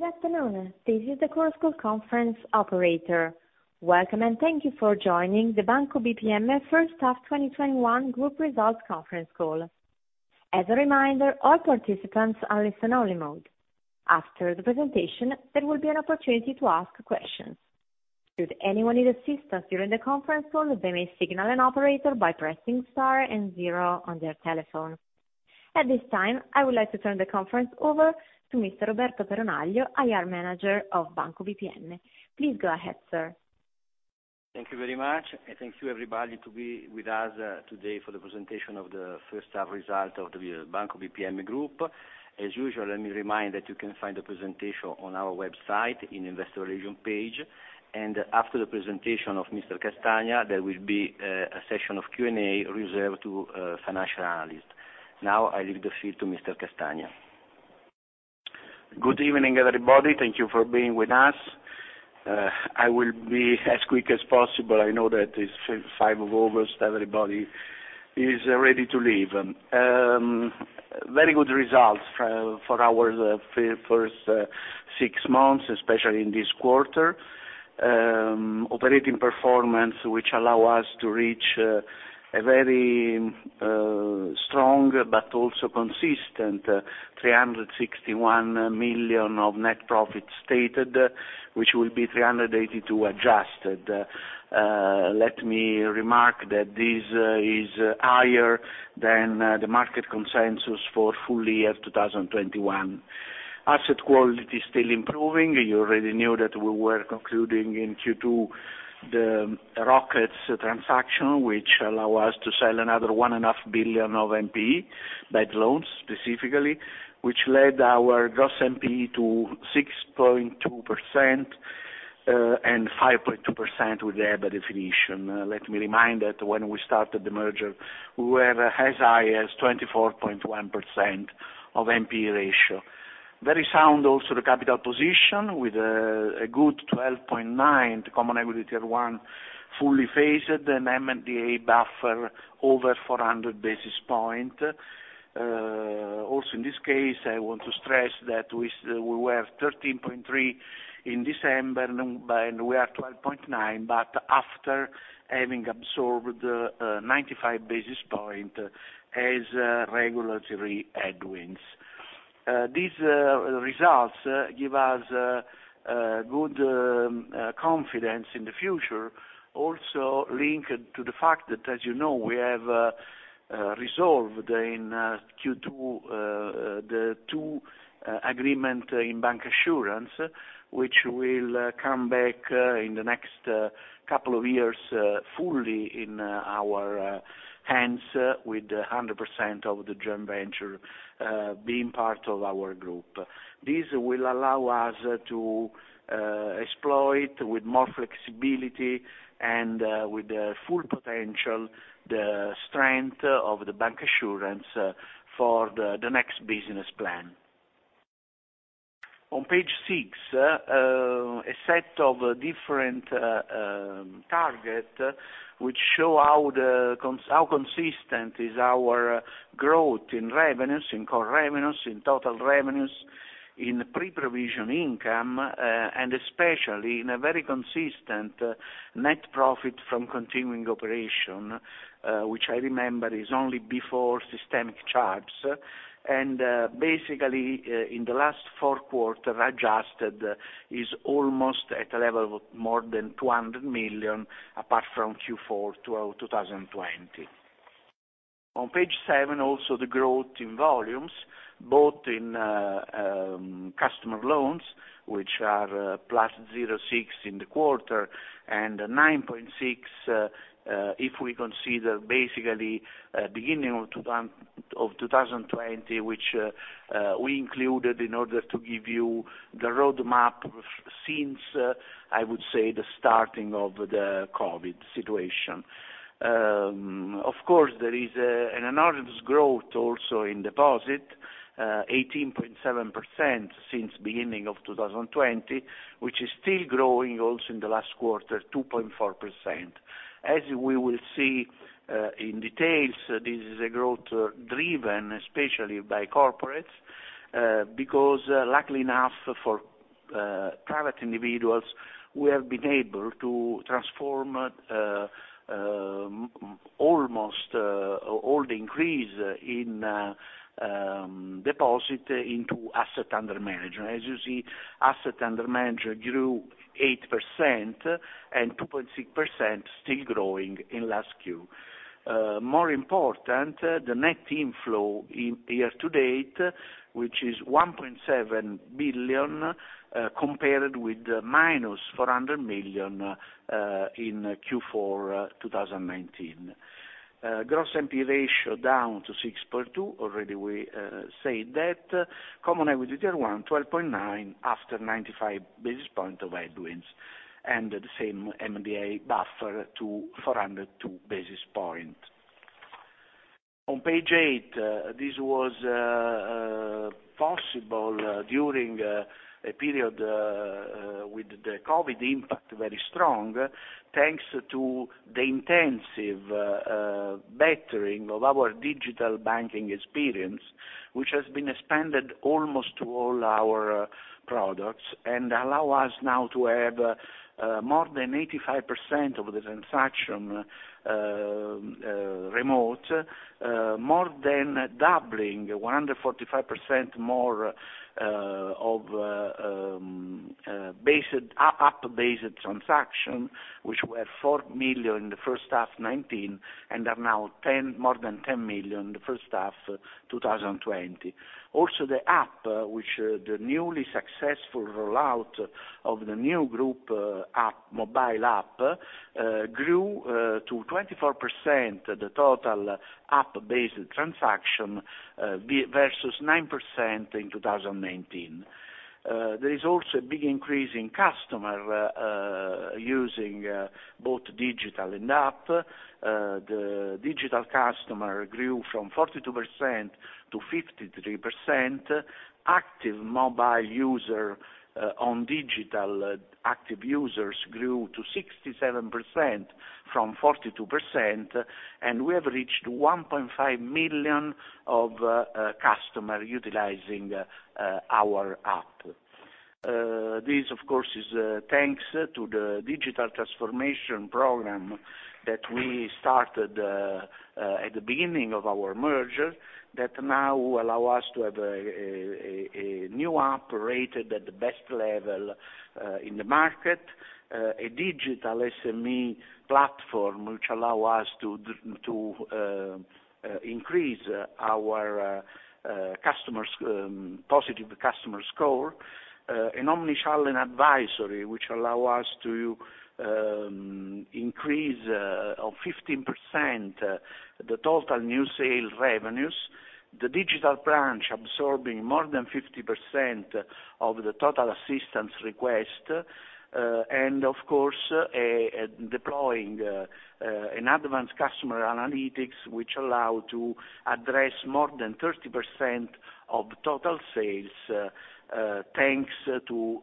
Good afternoon this is the Chorus Call Conference operator. Welcome, and thank you for joining the Banco BPM first half 2021 group results conference call. As a reminder, all participants are listen-only mode. After the presentation, there will be an opportunity to ask questions. Should anyone need assistance during the conference call, they may signal an operator by pressing star and zero on their telephone. At this time, I would like to turn the conference over to Mr. Roberto Peronaggio, IR Manager of Banco BPM. Please go ahead, sir. Thank you very much. Thank you, everybody, to be with us today for the presentation of the first half results of the Banco BPM Group. As usual, let me remind that you can find the presentation on our website in investor relations page. After the presentation of Mr. Castagna, there will be a session of Q&A reserved to financial analysts. Now, I leave the field to Mr. Castagna. Good evening, everybody. Thank you for being with us. I will be as quick as possible. I know that it is 5:00 P.M. of August, everybody is ready to leave. Very good results for our first six months, especially in this quarter. Operating performance, which allow us to reach a very strong but also consistent 361 million of net profits stated, which will be 382 adjusted. Let me remark that this is higher than the market consensus for full year 2021. Asset quality is still improving. You already knew that we were concluding in Q2 the Project Rocket transaction, which allow us to sell another 1.5 billion of NPE, bad loans specifically, which led our gross NPE to 6.2%, and 5.2% with EBA definition. Let me remind that when we started the merger, we were as high as 24.1% of NPE ratio. Very sound also, the capital position, with a good 12.9% to common equity Tier 1, fully phased, and MDA buffer over 400 basis points. In this case, I want to stress that we were 13.3% in December, and we are 12.9%, but after having absorbed 95 basis points as regulatory headwinds. These results give us good confidence in the future, also linked to the fact that, as you know, we have resolved in Q2 the 2 agreements in bancassurance, which will come back in the next couple of years, fully in our hands with 100% of the joint venture being part of our group. This will allow us to exploit with more flexibility and with the full potential, the strength of the bancassurance for the next business plan. On page six, a set of different target, which show how consistent is our growth in revenues, in core revenues, in total revenues, in pre-provision income, and especially in a very consistent net profit from continuing operation, which I remember is only before systemic charges. Basically, in the last four quarter, adjusted is almost at a level more than 200 million, apart from Q4 2020. On page seven, also, the growth in volumes, both in customer loans, which are +06% in the quarter, and 9.6%, if we consider basically beginning of 2020, which we included in order to give you the roadmap since, I would say, the starting of the COVID situation. There is an enormous growth also in deposit, 18.7% since beginning of 2020, which is still growing also in the last quarter, 2.4%. As we will see in details, this is a growth driven especially by corporates, because luckily enough for private individuals, we have been able to transform almost all the increase in deposit into asset under management. As you see, asset under management grew 8%, and 2.6% still growing in last Q. More important, the net inflow in year to date, which is 1.7 billion, compared with the -400 million in Q4 2019. Gross NPE ratio down to 6.2%, already we said that. Common equity Tier 1, 12.9% after 95 basis points of headwinds, and the same MDA buffer to 402 basis points. On page eight, this was possible during a period with the COVID-19 impact very strong, thanks to the intensive bettering of our digital banking experience. Which has been expanded almost to all our products, and allow us now to have more than 85% of the transaction remote, more than doubling, 145% more of app-based transaction, which were four million in H1 2019 and are now more than 10 million in H1 2020. Also, the app, which the newly successful rollout of the new group mobile app, grew to 24% of the total app-based transaction, versus 9% in 2019. There is also a big increase in customer using both digital and app. The digital customer grew from 42% to 53%. Active mobile user on digital, active users grew to 67% from 42%, and we have reached 1.5 million of customer utilizing our app. This, of course, is thanks to the digital transformation program that we started at the beginning of our merger, that now allow us to have a new app rated at the best level in the market, a digital SME platform which allow us to increase our positive customer score, an omnichannel and advisory which allow us to increase 15% the total new sales revenues, the digital branch absorbing more than 50% of the total assistance request, and of course, deploying an advanced customer analytics, which allow to address more than 30% of total sales, thanks to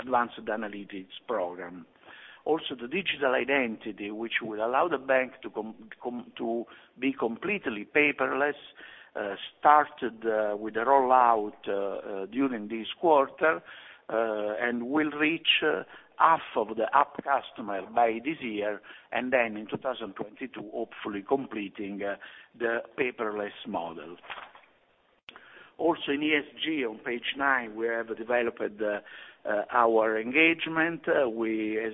advanced analytics program. The digital identity, which will allow the bank to be completely paperless, started with the rollout during this quarter, and will reach half of the app customer by this year, and then in 2022, hopefully completing the paperless model. In ESG on page nine, we have developed our engagement. As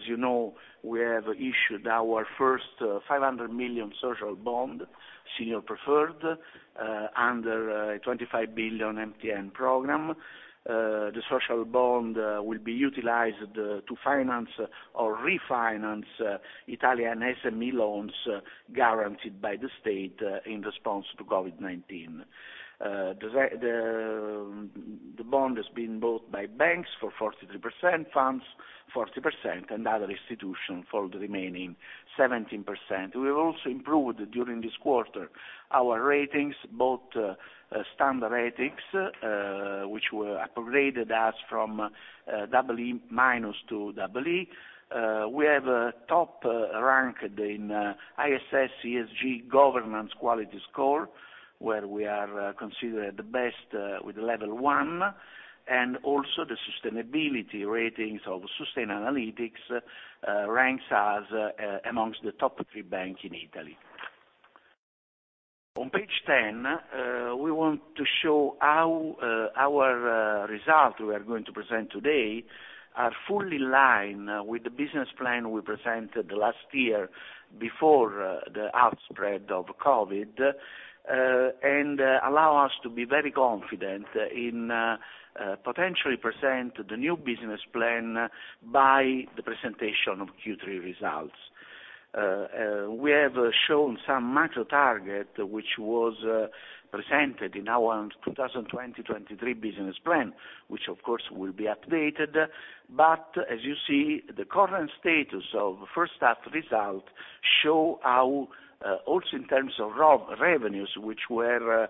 you know, we have issued our first 500 million social bond, senior preferred, under a 25 billion EMTN program. The social bond will be utilized to finance or refinance Italian SME loans guaranteed by the state in response to COVID-19. The bond has been bought by banks for 43%, funds 40%, and other institution for the remaining 17%. We have also improved, during this quarter, our ratings, both Standard Ethics, which were upgraded as from double E- to double E. We have a top rank in ISS ESG governance quality score, where we are considered the best with level 1, also the sustainability ratings of Sustainalytics ranks us amongst the top three bank in Italy. On page 10, we want to show how our result we are going to present today are fully in line with the business plan we presented last year before the outspread of COVID, and allow us to be very confident in potentially present the new business plan by the presentation of Q3 results. We have shown some macro target which was presented in our 2023 business plan. Which of course will be updated. As you see, the current status of first half result show how, also in terms of revenues, which were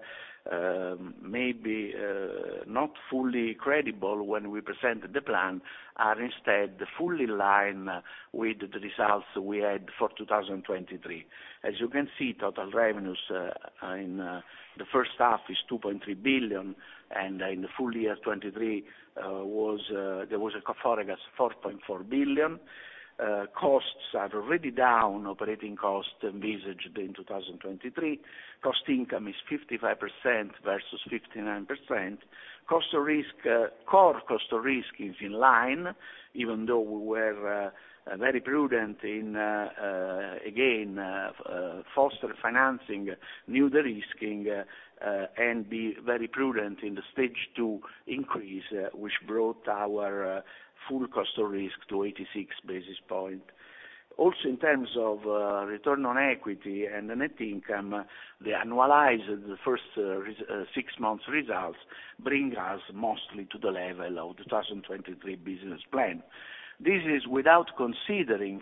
maybe not fully credible when we presented the plan, are instead fully in line with the results we had for 2023. As you can see, total revenues in the first half is 2.3 billion, and in the full year 2023, there was a 4.4 billion. Costs are already down, operating cost envisaged in 2023. Cost income is 55% versus 59%. Core cost of risk is in line, even though we were very prudent in, again foster financing, new derisking, and be very prudent in the stage 2 increase, which brought our full cost of risk to 86 basis points. In terms of return on equity and the net income, they annualize the first six months results bring us mostly to the level of 2023 business plan. This is without considering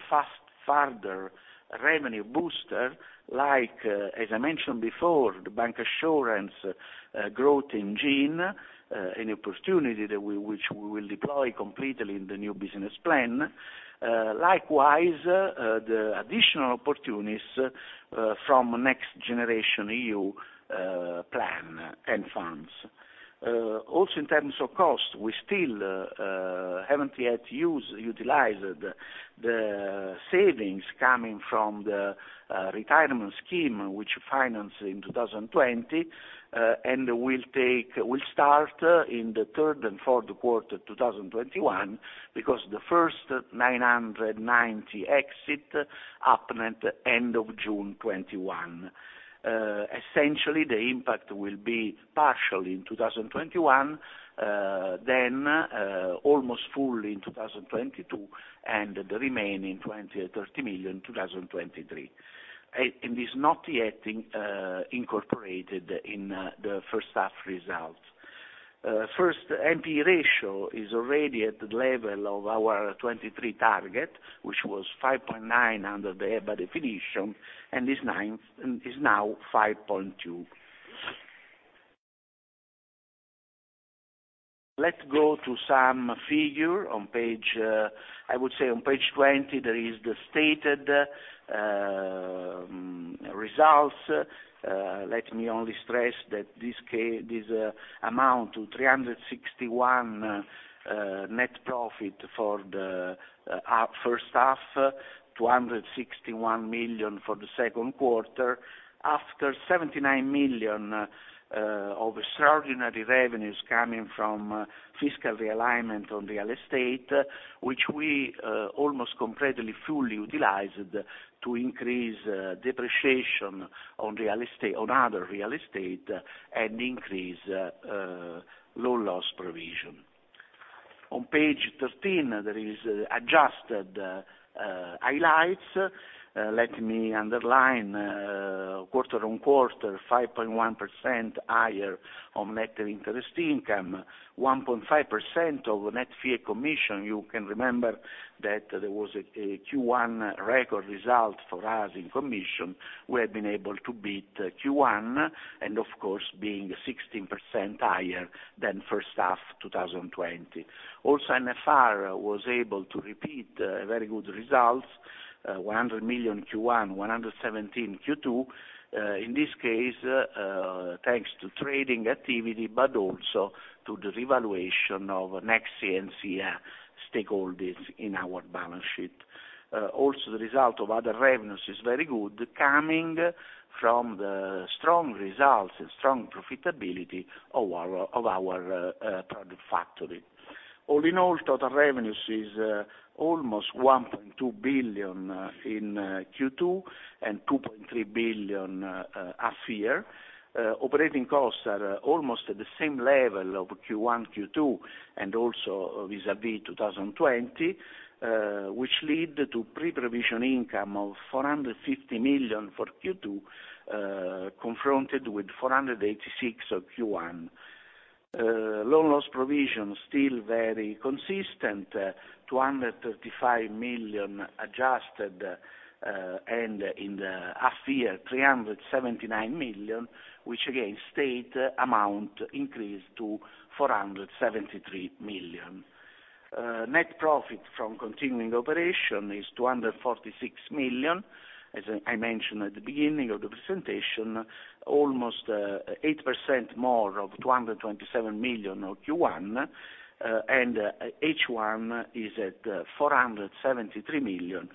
further revenue booster like, as I mentioned before, the bancassurance growth engine, an opportunity which we will deploy completely in the new business plan. Likewise, the additional opportunities from Next Generation EU plan and funds. In terms of cost, we still haven't yet utilized the savings coming from the retirement scheme, which financed in 2020, and will start in the third and fourth quarter 2021, because the first 990 exit happened at the end of June 2021. Essentially, the impact will be partial in 2021, then almost full in 2022, and the remaining 20 million or 30 million, 2023. Is not yet incorporated in the first half results. First, NPE ratio is already at the level of our 2023 target, which was 5.9% under the EBA definition, and is now 5.2%. Let's go to some figure. I would say on page 20, there is the stated results. Let me only stress that this amount to 361 million net profit for the first half, 261 million for the second quarter, after 79 million of extraordinary revenues coming from fiscal realignment on real estate, which we almost completely fully utilized to increase depreciation on other real estate and increase low loss provision. On page 13, there is adjusted highlights. Let me underline, quarter-on-quarter, 5.1% higher on net interest income, 1.5% of net fee and commission. You can remember that there was a Q1 record result for us in commission. We have been able to beat Q1, of course, being 16% higher than first half 2020. NFR was able to repeat very good results, 100 million Q1, 117 million Q2. In this case, thanks to trading activity, but also to the revaluation of Nexi and SIA stakeholders in our balance sheet. The result of other revenues is very good, coming from the strong results and strong profitability of our product factory. Total revenues is almost 1.2 billion in Q2 and 2.3 billion half year. Operating costs are almost at the same level of Q1, Q2, and also vis-à-vis 2020, which lead to pre-provision income of 450 million for Q2, confronted with 486 million of Q1. Loan loss provision, still very consistent, 235 million adjusted, and in the half year, 379 million, which again, state amount increased to 473 million. Net profit from continuing operation is 246 million. As I mentioned at the beginning of the presentation, almost 8% more of 227 million of Q1, and H1 is at 473 million,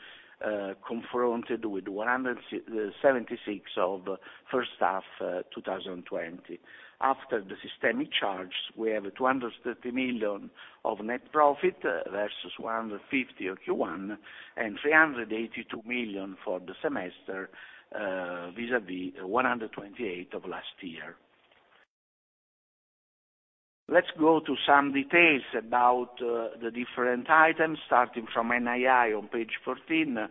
confronted with 176 million of first half 2020. After the systemic charge, we have 230 million of net profit versus 150 million of Q1, and 382 million for the semester, vis-à-vis 128 million of last year. Let's go to some details about the different items. Starting from NII on page 14,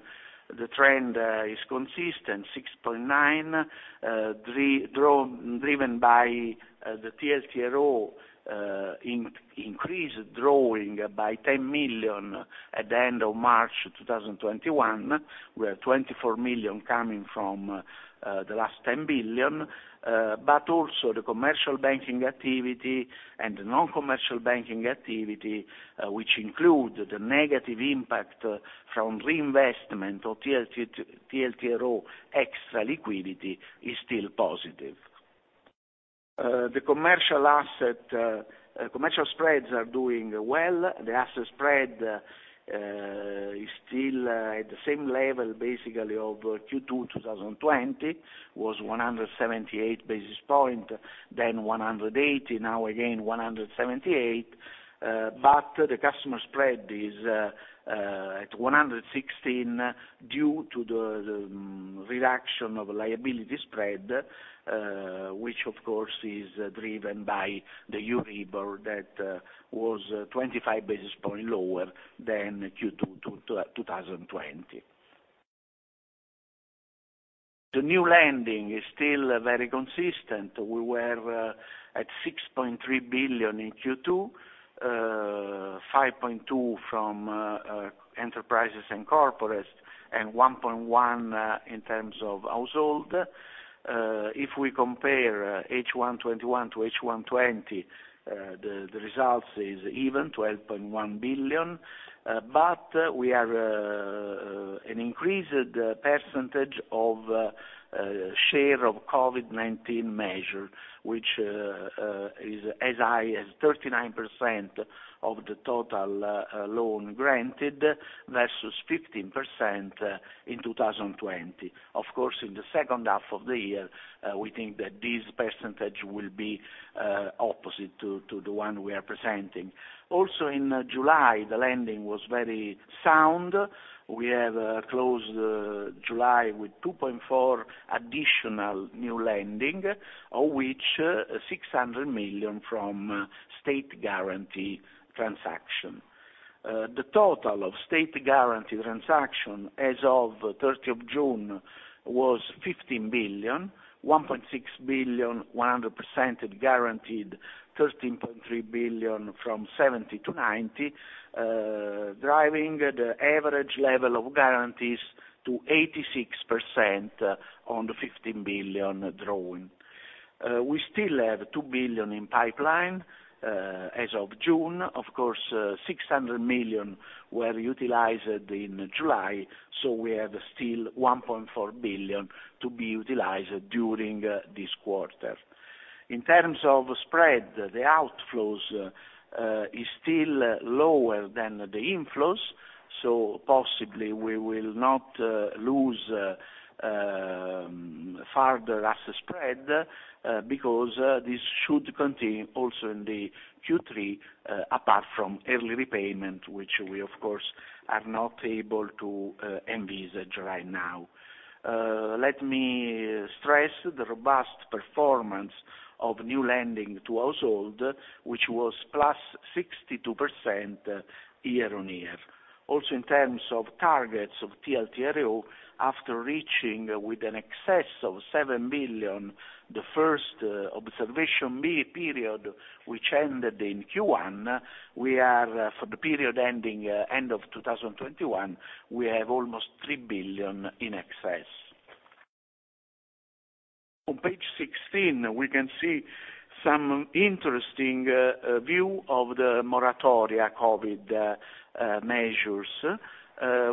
the trend is consistent, 6.9, driven by the TLTRO increase, growing by 10 million at the end of March 2021, where 24 million coming from the last 10 billion. Also the commercial banking activity and the non-commercial banking activity, which include the negative impact from reinvestment of TLTRO extra liquidity, is still positive. The commercial spreads are doing well. The asset spread is still at the same level, basically, of Q2 2020, was 178 basis points, then 180 basis points, now again, 178 basis points. The customer spread is at 116 due to the reduction of liability spread, which of course is driven by the Euribor that was 25 basis points lower than Q2 2020. The new lending is still very consistent. We were at 6.3 billion in Q2, 5.2 billion from enterprises and corporates, and 1.1 billion in terms of household. If we compare H1 2021 to H1 2020, the results is even, 12.1 billion. We have an increased percentage of share of COVID-19 measure, which is as high as 39% of the total loan granted, versus 15% in 2020. Of course, in the second half of the year, we think that this percentage will be opposite to the one we are presenting. Also in July, the lending was very sound. We have closed July with 2.4 billion additional new lending, of which 600 million from state guarantee transaction. The total of state guarantee transaction as of 30th June was 15 billion, 1.6 billion, 100% guaranteed, 13.3 billion from 70%-90%, driving the average level of guarantees to 86% on the 15 billion drawing. We still have 2 billion in pipeline as of June. Of course, 600 million were utilized in July, so we have still 1.4 billion to be utilized during this quarter. In terms of spread, the outflows is still lower than the inflows, so possibly we will not lose further asset spread, because this should continue also in the Q3, apart from early repayment, which we of course are not able to envisage right now. Let me stress the robust performance of new lending to household, which was +62% year-on-year. In terms of targets of TLTRO, after reaching with an excess of 7 billion, the first observation B period which ended in Q1, we are for the period ending end of 2021, we have almost 3 billion in excess. On page 16, we can see some interesting view of the moratoria COVID measures.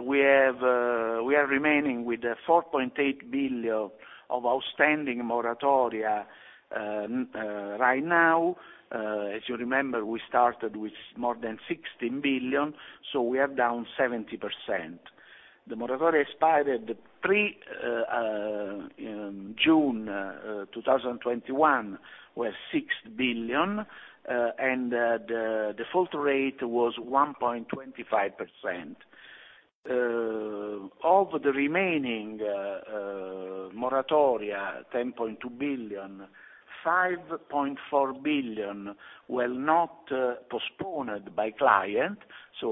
We are remaining with 4.8 billion of outstanding moratoria right now. As you remember, we started with more than 16 billion, we are down 70%. The moratoria expired pre June 2021 were 6 billion, the default rate was 1.25%. Of the remaining moratoria, 10.2 billion, 5.4 billion were not postponed by client.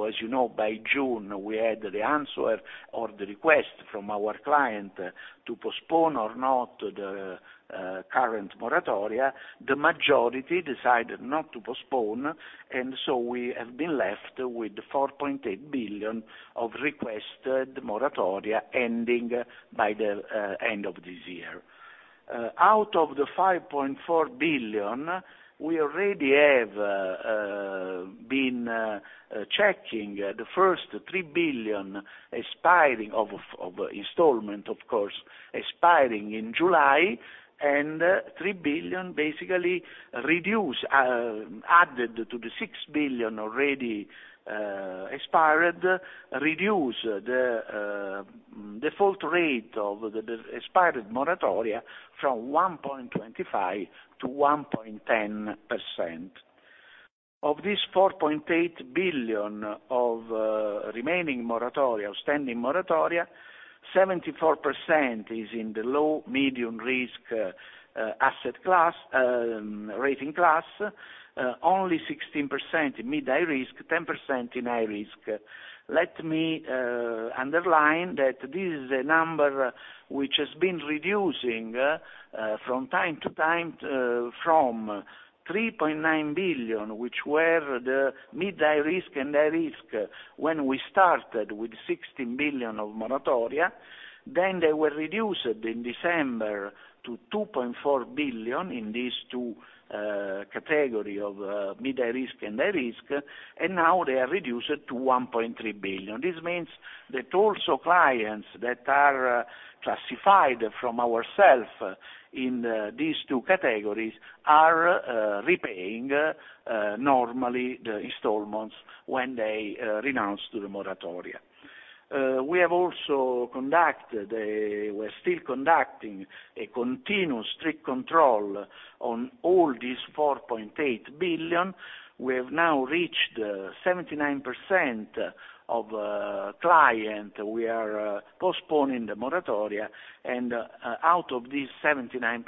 As you know, by June, we had the answer or the request from our client to postpone or not the current moratoria. The majority decided not to postpone. We have been left with 4.8 billion of requested moratoria ending by the end of this year. Out of the 5.4 billion, we already have been checking the first 3 billion expiring of installment, of course, expiring in July. 3 billion basically added to the 6 billion already expired, reduce the default rate of the expired moratoria from 1.25% to 1.10%. Of this 4.8 billion of remaining moratoria, outstanding moratoria, 74% is in the low medium risk rating class, only 16% in mid high risk, 10% in high risk. Let me underline that this is a number which has been reducing from time to time from 3.9 billion, which were the mid high risk and high risk when we started with 16 billion of moratoria. They were reduced in December to 2.4 billion in these two category of mid high risk and high risk, and now they are reduced to 1.3 billion. This means that also clients that are classified from ourself in these two categories are repaying normally the installments when they renounce to the moratoria. We are still conducting a continuous strict control on all these 4.8 billion. We have now reached 79% of client. We are postponing the moratoria, and out of this 79%,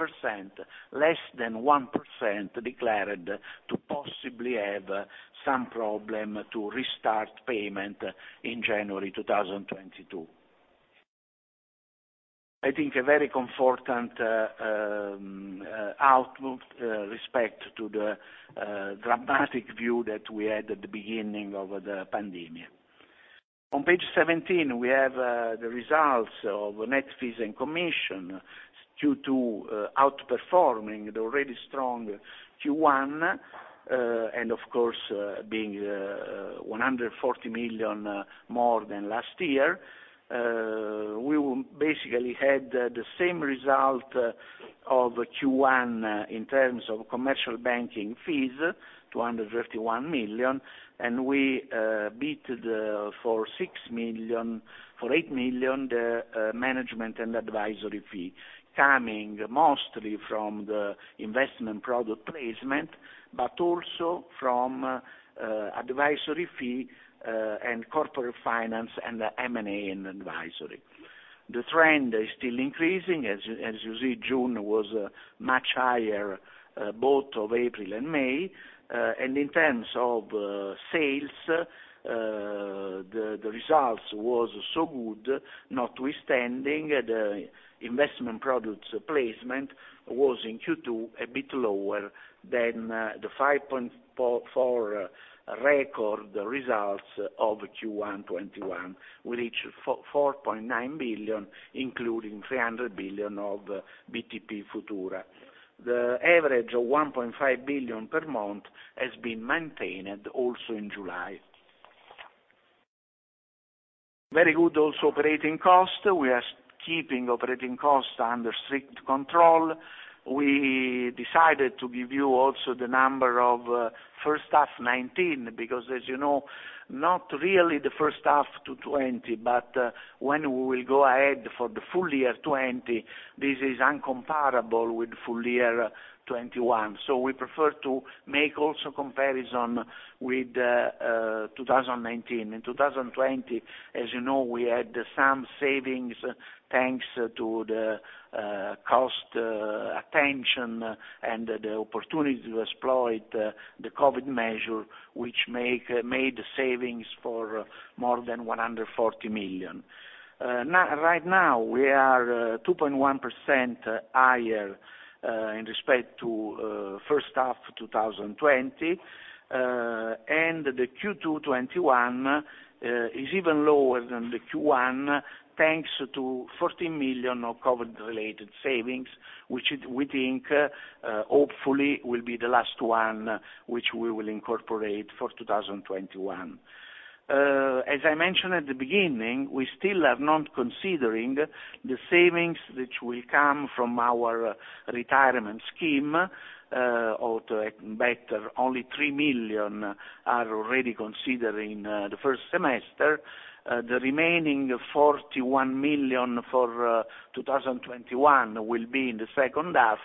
less than 1% declared to possibly have some problem to restart payment in January 2022. I think a very comfortant outlook respect to the dramatic view that we had at the beginning of the pandemic. On page 17, we have the results of net fees and commission due to outperforming the already strong Q1, and of course, being 140 million more than last year. We basically had the same result of Q1 in terms of commercial banking fees, 251 million. We beat for 8 million the management and advisory fee, coming mostly from the investment product placement, but also from advisory fee and corporate finance and M&A and advisory. The trend is still increasing. As you see, June was much higher, both of April and May. In terms of sales, the results were so good, notwithstanding the investment products placement was in Q2 a bit lower than the 5.4 billion record results of Q1 2021. We reached 4.9 billion, including 300 billion of BTP Futura. The average of 1.5 billion per month has been maintained also in July. Very good also operating costs. We are keeping operating costs under strict control. We decided to give you also the number of first half 2019, because as you know, not really the first half 2020, but when we will go ahead for the full year 2020, this is incomparable with full year 2021. We prefer to make also comparison with 2019. In 2020, as you know, we had some savings, thanks to the cost attention and the opportunity to exploit the COVID measure which made savings for more than 140 million. Right now, we are 2.1% higher in respect to first half 2020. The Q2 2021 is even lower than the Q1, thanks to 14 million of COVID-related savings, which we think hopefully will be the last one, which we will incorporate for 2021. As I mentioned at the beginning, we still are not considering the savings which will come from our retirement scheme, or to better, only 3 million are already considered in the first semester. The remaining 41 million for 2021 will be in the second half,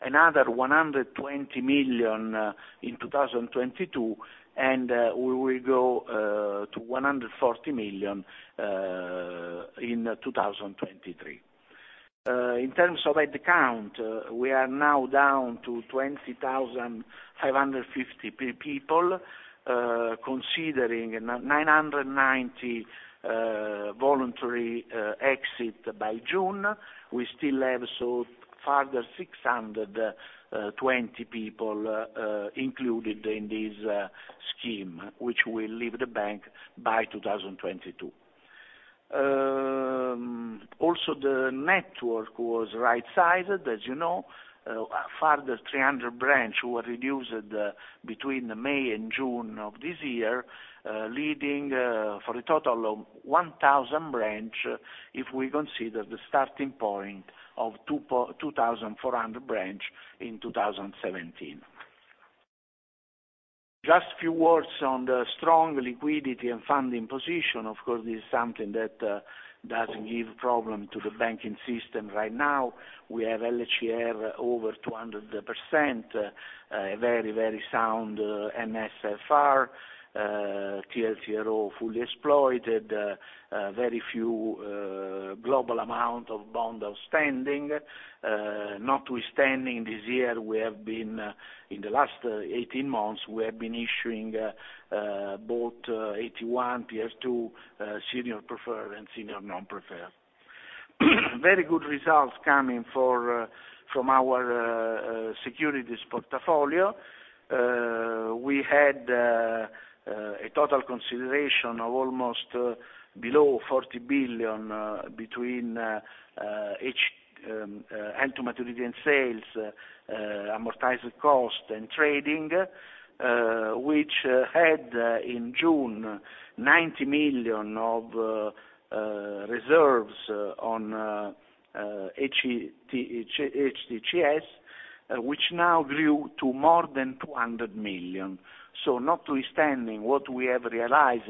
another 120 million in 2022, and we will go to 140 million in 2023. In terms of headcount, we are now down to 20,550 people, considering 990 voluntary exit by June. We still have so further 620 people included in this scheme, which will leave the bank by 2022. The network was right-sized, as you know. A further 300 branch were reduced between May and June of this year, leading for a total of 1,000 branch, if we consider the starting point of 2,400 branch in 2017. Just few words on the strong liquidity and funding position. Of course, this is something that doesn't give problem to the banking system right now. We have LCR over 200%, a very, very sound NSFR, TLTRO fully exploited, very few global amount of bond outstanding. Notwithstanding this year, in the last 18 months, we have been issuing both AT1 Tier 2 senior preferred and senior non-preferred. Very good results coming from our securities portfolio. We had a total consideration of almost below 40 billion between each held-to-maturity and sales, amortized cost, and trading, which had in June 90 million of reserves on HTCS, which now grew to more than 200 million. Notwithstanding what we have realized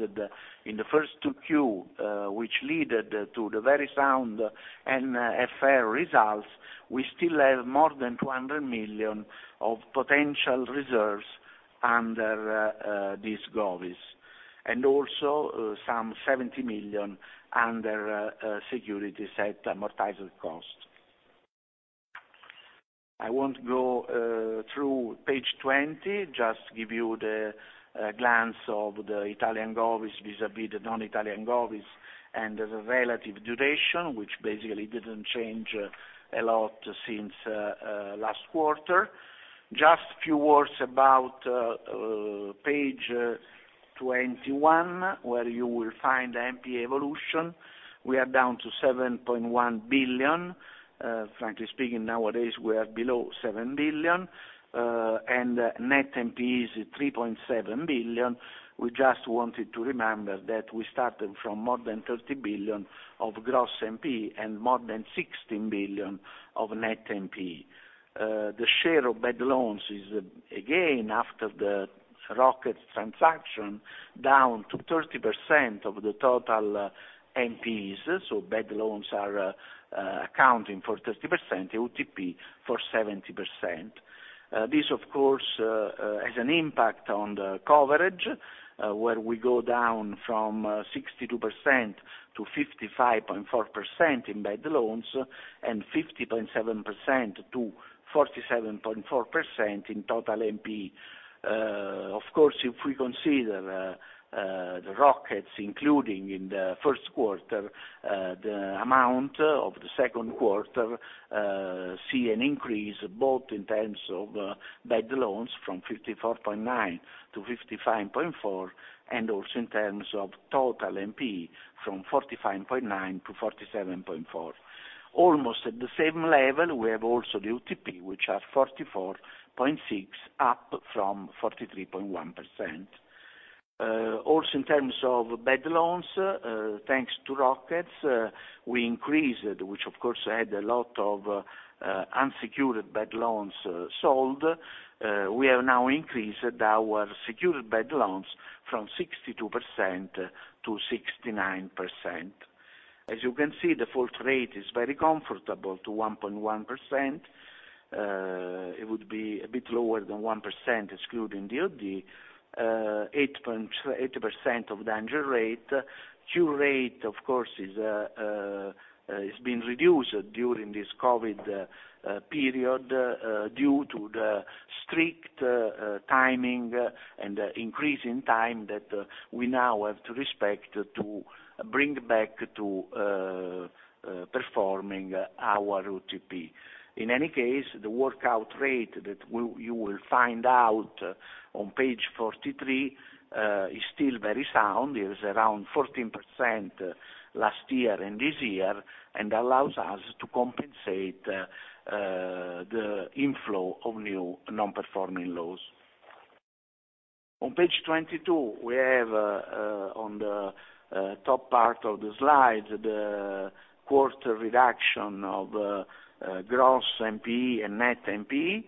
in the first two quater, which leaded to the very sound NFR results, we still have more than 200 million of potential reserves under these govies, and also some 70 million under security set amortized cost. I won't go through page 20, just give you the glance of the Italian govies vis-à-vis the non-Italian govies and the relative duration, which basically didn't change a lot since last quarter. Just a few words about page 21, where you will find the NPE evolution. We are down to 7.1 billion. Frankly speaking, nowadays, we are below 7 billion, and net NPE is 3.7 billion. We just wanted to remember that we started from more than 30 billion of gross NPE and more than 16 billion of net NPE. The share of bad loans is, again, after the Rockets transaction, down to 30% of the total NPEs. Bad loans are accounting for 30%, UTP for 70%. This, of course, has an impact on the coverage, where we go down from 62% to 55.4% in bad loans and 50.7% to 47.4% in total NPE. Of course, if we consider the Rockets included in the first quarter, the amount of the second quarter sees an increase both in terms of bad loans from 54.9% to 55.4%, and also in terms of total NPE from 45.9% to 47.4%. Almost at the same level, we have also the UTP, which are 44.6%, up from 43.1%. Also, in terms of bad loans, thanks to Rockets, we increased, which of course, had a lot of unsecured bad loans sold. We have now increased our secured bad loans from 62% to 69%. As you can see, the default rate is very comfortable to 1.1%. It would be a bit lower than 1% excluding the OD. 8% of the danger rate. Cure rate, of course, has been reduced during this COVID-19 period due to the strict timing and the increase in time that we now have to respect to bring back to performing our UTP. In any case, the workout rate that you will find out on page 43 is still very sound. It was around 14% last year and this year, and allows us to compensate the inflow of new non-performing loans. On page 22, we have on the top part of the slide, the quarter reduction of gross NPE and net NPE.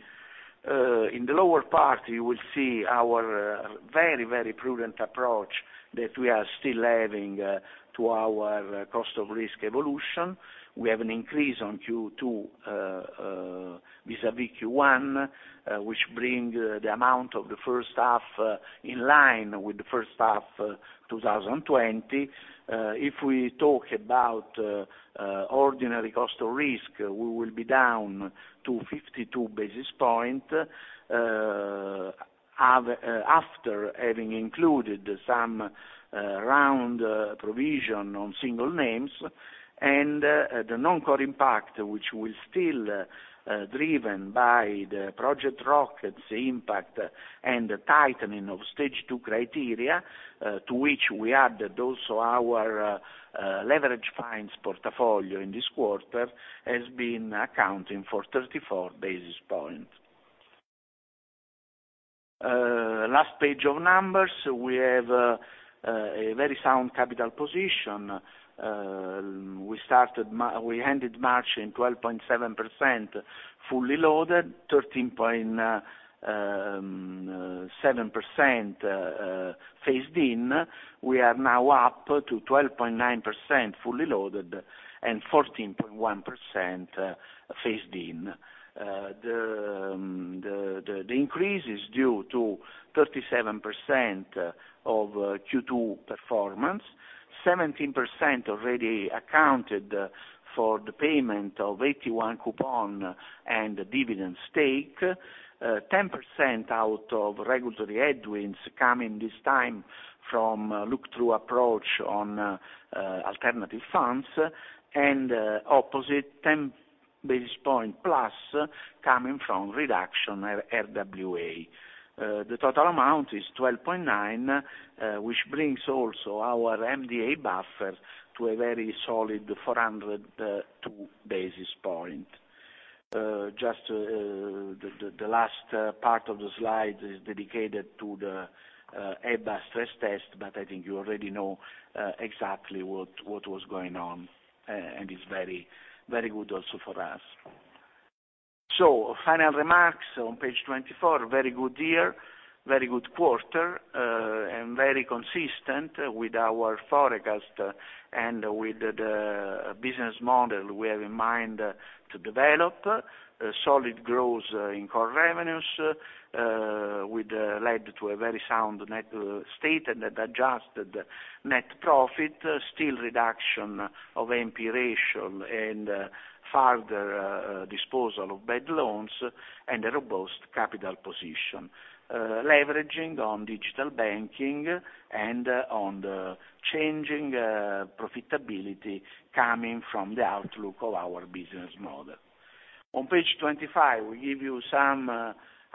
In the lower part, you will see our very, very prudent approach that we are still having to our cost of risk evolution. We have an increase on Q2 vis-à-vis Q1, which brings the amount of the first half in line with the first half 2020. If we talk about ordinary cost of risk, we will be down to 52 basis points after having included some round provision on single names, and the non-core impact, which was still driven by the Project Rockets impact and the tightening of Stage 2 criteria, to which we added also our leveraged finance portfolio in this quarter, has been accounting for 34 basis points. Last page of numbers. We have a very sound capital position. We ended March in 12.7% fully loaded, 13.7% phased in. We are now up to 12.9% fully loaded and 14.1% phased in. The increase is due to 37% of Q2 performance, 17% already accounted for the payment of AT1 coupon and dividend stake, 10% out of regulatory headwinds coming this time from look-through approach on alternative funds. Opposite 10 basis points plus coming from reduction RWA. The total amount is 12.9, which brings also our MDA buffer to a very solid 402 basis points. Just the last part of the slide is dedicated to the EBA stress test. I think you already know exactly what was going on. It's very good also for us. Final remarks on page 24, very good year, very good quarter, and very consistent with our forecast and with the business model we have in mind to develop. Solid growth in core revenues, which led to a very sound net state and adjusted net profit, still reduction of NPE ratio and further disposal of bad loans, and a robust capital position. Leveraging on digital banking and on the changing profitability coming from the outlook of our business model. On page 25, we give you some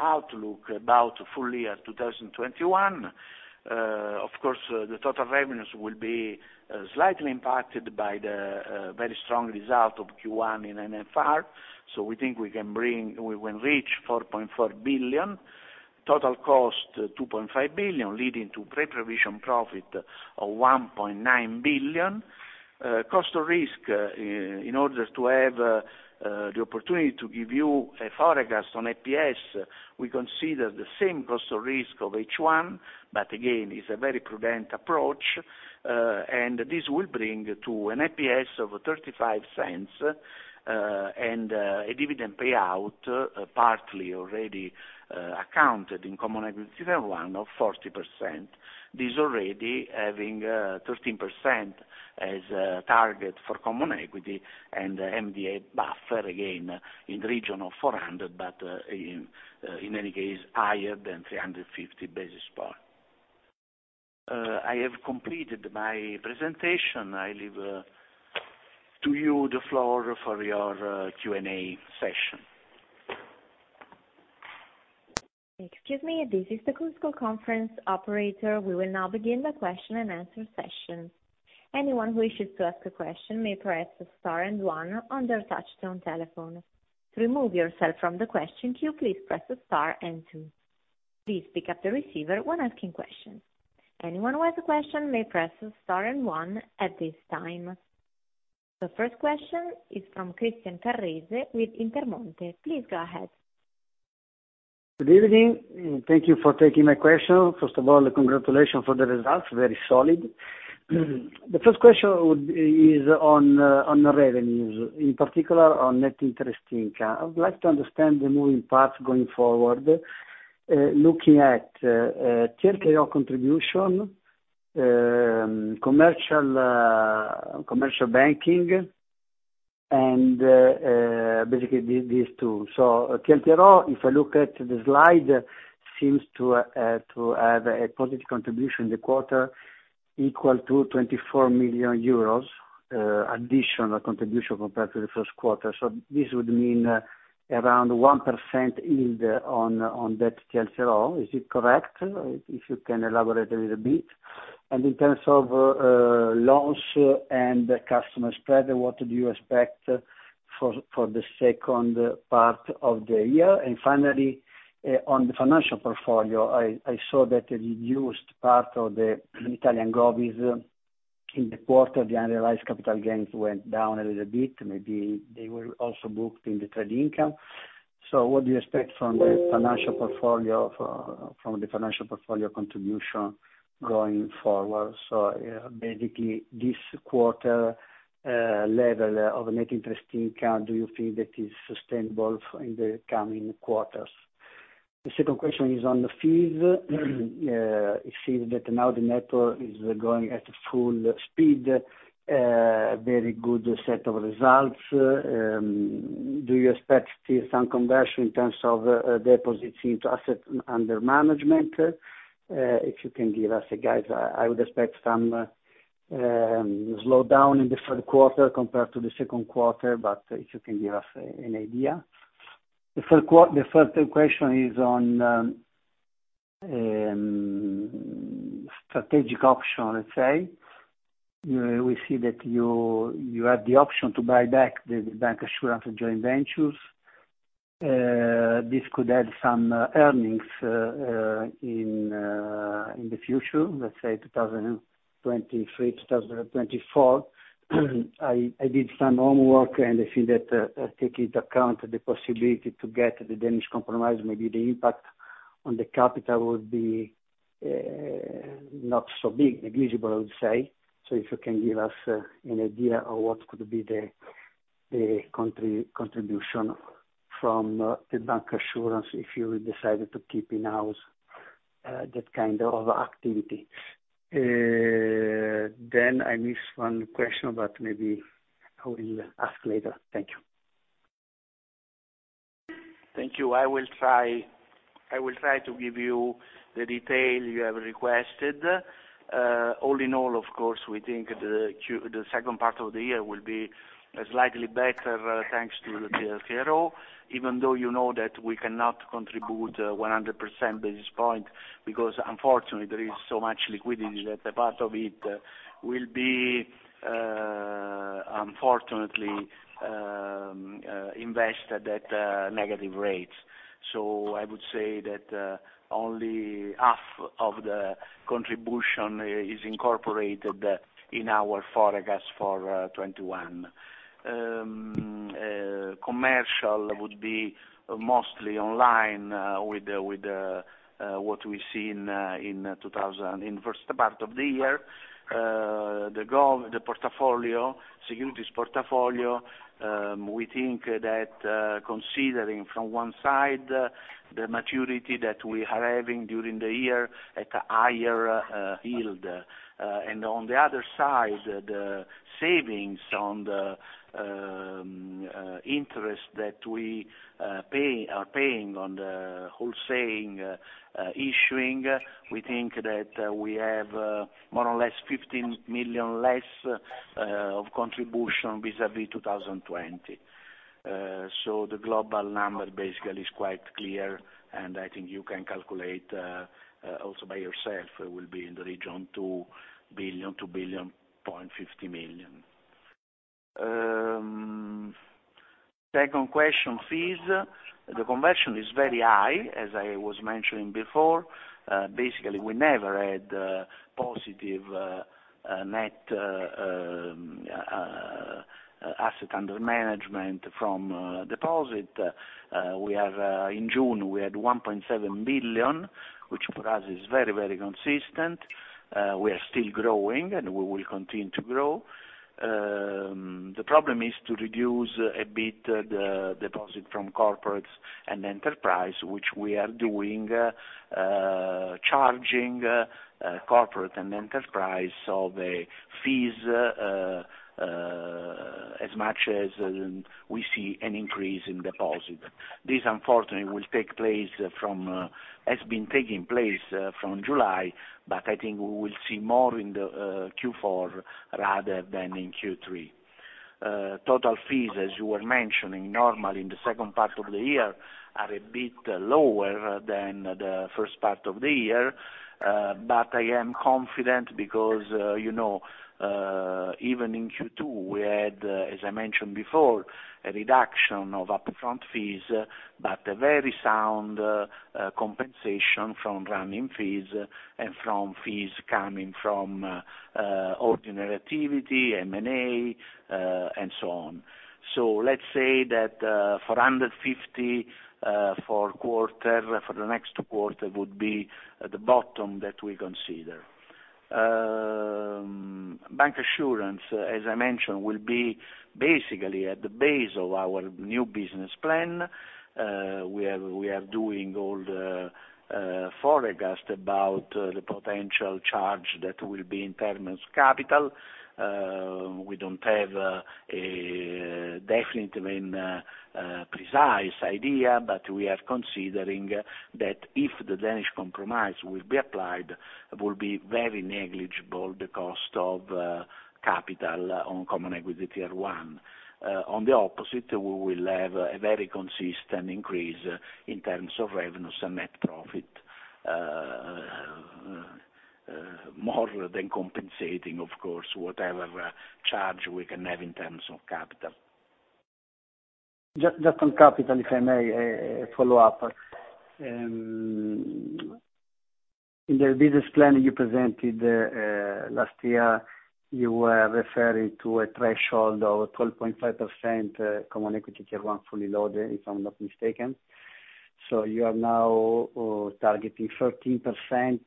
outlook about full year 2021. The total revenues will be slightly impacted by the very strong result of Q1 in NFR. We think we will reach 4.4 billion. Total cost, 2.5 billion, leading to pre-provision profit of 1.9 billion. Cost of risk, in order to have the opportunity to give you a forecast on EPS, we consider the same cost of risk of H1, but again, it's a very prudent approach, and this will bring to an EPS of 0.35, and a dividend payout partly already accounted in common equity Tier 1 of 40%. This already having 13% as a target for common equity and MDA buffer again in the region of 400 basis points, but in any case higher than 350 basis points. I have completed my presentation. I leave to you the floor for your Q&A session. Excuse me, this is the Chorus Call Conference operator. We will now begin the question and answer session. Anyone who wishes to ask a question may press star and one on their touch-tone telephone. To remove yourself from the question queue, please press star and two. Please pick up the receiver when asking questions. Anyone who has a question may press star and one at this time. The first question is from Christian Carrese with Intermonte. Please go ahead. Good evening. Thank you for taking my question. First of all, congratulations for the results, very solid. The first question is on revenues, in particular on net interest income. I would like to understand the moving parts going forward, looking at TLTRO contribution, commercial banking, and basically these two. TLTRO, if I look at the slide, seems to have a positive contribution in the quarter equal to 24 million euros, additional contribution compared to the first quarter. This would mean around 1% yield on that TLTRO. Is it correct? If you can elaborate a little bit. In terms of loans and customer spread, what do you expect for the second part of the year? Finally, on the financial portfolio, I saw that you used part of the Italian govies in the quarter. The unrealized capital gains went down a little bit. Maybe they were also booked in the trade income. What do you expect from the financial portfolio contribution going forward? Basically this quarter level of net interest income, do you feel that is sustainable in the coming quarters? The second question is on the fees. It seems that now the network is going at full speed. Very good set of results. Do you expect still some conversion in terms of deposits into asset under management? If you can give us a guide. I would expect some slowdown in the third quarter compared to the second quarter, but if you can give us an idea. The third question is on strategic option, let's say. We see that you have the option to buy back the bancassurance joint ventures. This could add some earnings in the future, let's say 2023, 2024. I did some homework. I think that taking into account the possibility to get the Danish Compromise, maybe the impact on the capital would be not so big, negligible, I would say. If you can give us an idea of what could be the contribution from the bancassurance, if you decided to keep in-house that kind of activity. I missed one question, but maybe I will ask later. Thank you. Thank you. I will try to give you the detail you have requested. All in all, of course, we think the second part of the year will be slightly better thanks to the TLTRO, even though you know that we cannot contribute 100 basis points because unfortunately, there is so much liquidity that a part of it will be, unfortunately, invested at negative rates. I would say that only half of the contribution is incorporated in our forecast for 2021. Commercial would be mostly online with what we see in first part of the year. The portfolio, securities portfolio, we think that considering from one side, the maturity that we are having during the year at a higher yield. On the other side, the savings on the interest that we are paying on the wholesale issuing, we think that we have more or less 15 million less of contribution vis-a-vis 2020. The global number basically is quite clear, and I think you can calculate also by yourself, will be in the region 2 billion-2.05 billion. Second question, fees. The conversion is very high, as I was mentioning before. Basically, we never had positive net asset under management from deposit. In June, we had 1.7 billion, which for us is very consistent. We are still growing, and we will continue to grow. The problem is to reduce a bit the deposit from corporates and enterprise, which we are doing, charging corporate and enterprise on the fees as much as we see an increase in deposit. This, unfortunately, has been taking place from July. I think we will see more in the Q4 rather than in Q3. Total fees, as you were mentioning, normal in the second part of the year, are a bit lower than the first part of the year. I am confident because, even in Q2, we had, as I mentioned before, a reduction of upfront fees, but a very sound compensation from running fees and from fees coming from ordinary activity, M&A, and so on. Let's say that for EUR 150 for the next quarter would be the bottom that we consider. Bank assurance, as I mentioned, will be basically at the base of our new business plan. We are doing all the forecast about the potential charge that will be in terms capital. We don't have a definitely precise idea, but we are considering that if the Danish Compromise will be applied, it will be very negligible the cost of capital on common equity Tier 1. On the opposite, we will have a very consistent increase in terms of revenues and net profit, more than compensating, of course, whatever charge we can have in terms of capital. Just on capital, if I may follow up. In the business plan you presented last year, you were referring to a threshold of 12.5% common equity Tier 1 fully loaded, if I'm not mistaken. You are now targeting 13%.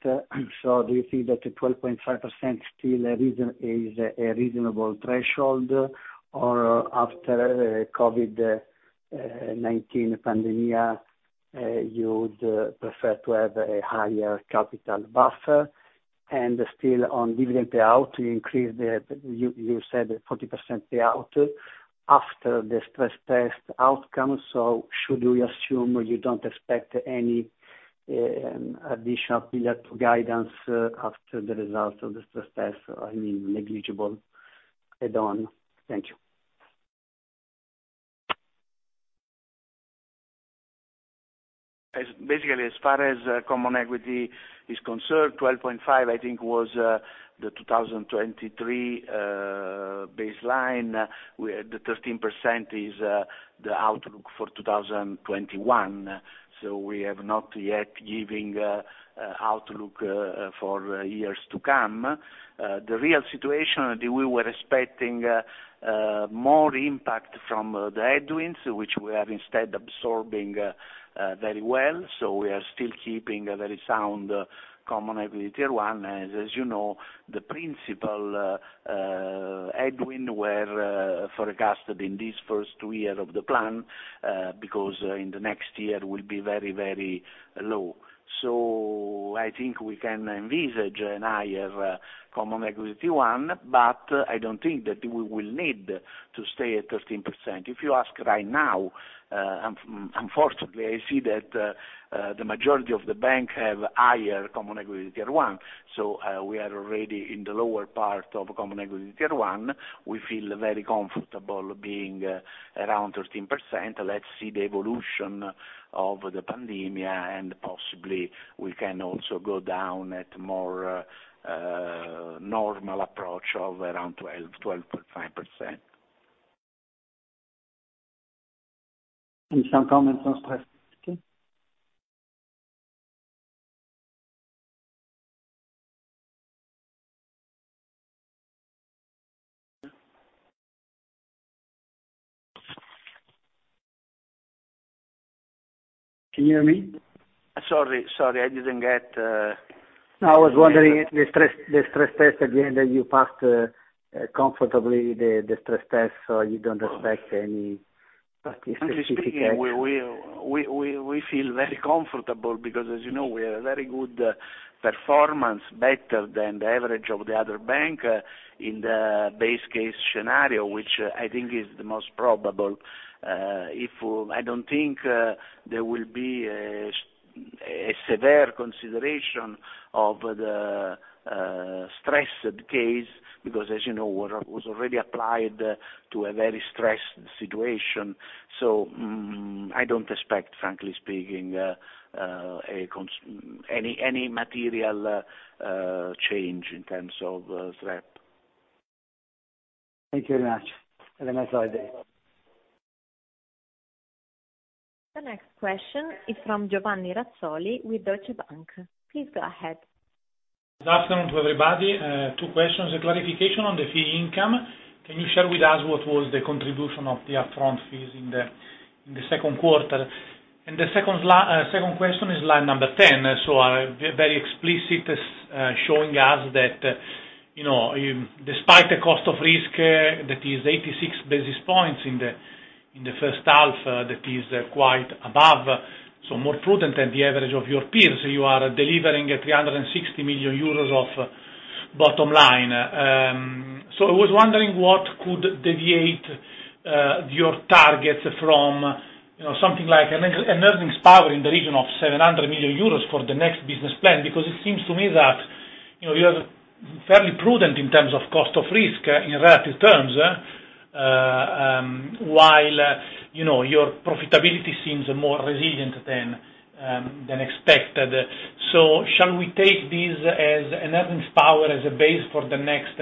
Do you think that the 12.5% still is a reasonable threshold? After COVID-19 pandemic, you would prefer to have a higher capital buffer? Still on dividend payout, you said 40% payout after the stress test outcome, should we assume you don't expect any additional Pillar 2 guidance after the result of the stress test? I mean, negligible add-on. Thank you. Basically, as far as common equity is concerned, 12.5% I think was the 2023 baseline. The 13% is the outlook for 2021. We have not yet given outlook for years to come. The real situation that we were expecting more impact from the headwinds, which we are instead absorbing very well. We are still keeping a very sound common equity Tier 1, as you know, the principal headwinds were forecasted in this first year of the plan, because in the next year will be very low. I think we can envisage a higher common equity Tier 1, but I don't think that we will need to stay at 13%. If you ask right now, unfortunately, I see that the majority of the bank have higher common equity Tier 1. We are already in the lower part of common equity Tier 1. We feel very comfortable being around 13%. Let's see the evolution of the pandemia, and possibly we can also go down at more normal approach of around 12%-12.5%. Some comments on stress test. Okay. Can you hear me? Sorry, I didn't get. No, I was wondering the stress test at the end that you passed comfortably the stress test, so you don't expect any specific-? Frankly speaking, we feel very comfortable because as you know, we are a very good performance, better than the average of the other bank in the base case scenario, which I think is the most probable. I don't think there will be a severe consideration of the stressed case, because as you know, was already applied to a very stressed situation. I don't expect, frankly speaking, any material change in terms of SREP. Thank you very much. Have a nice day. The next question is from Giovanni Razzoli with Deutsche Bank. Please go ahead. Good afternoon to everybody. Two questions. A clarification on the fee income. Can you share with us what was the contribution of the upfront fees in the second quarter? The second question is line number 10. Very explicit, showing us that despite the cost of risk that is 86 basis points in the first half, that is quite above, so more prudent than the average of your peers. You are delivering 360 million euros of bottom line. I was wondering what could deviate your targets from something like an earnings power in the region of 700 million euros for the next business plan, because it seems to me that you are fairly prudent in terms of cost of risk in relative terms, while your profitability seems more resilient than expected. Shall we take these as an earnings power as a base for the next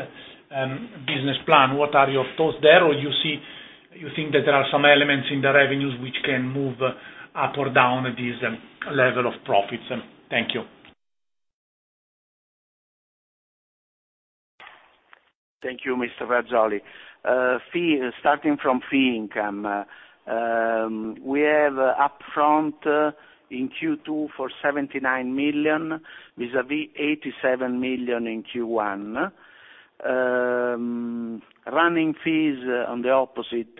business plan? What are your thoughts there? You think that there are some elements in the revenues which can move up or down this level of profits? Thank you. Thank you, Mr. Razzoli. Starting from fee income. We have upfront in Q2 for 79 million, vis-a-vis 87 million in Q1. Running fees on the opposite,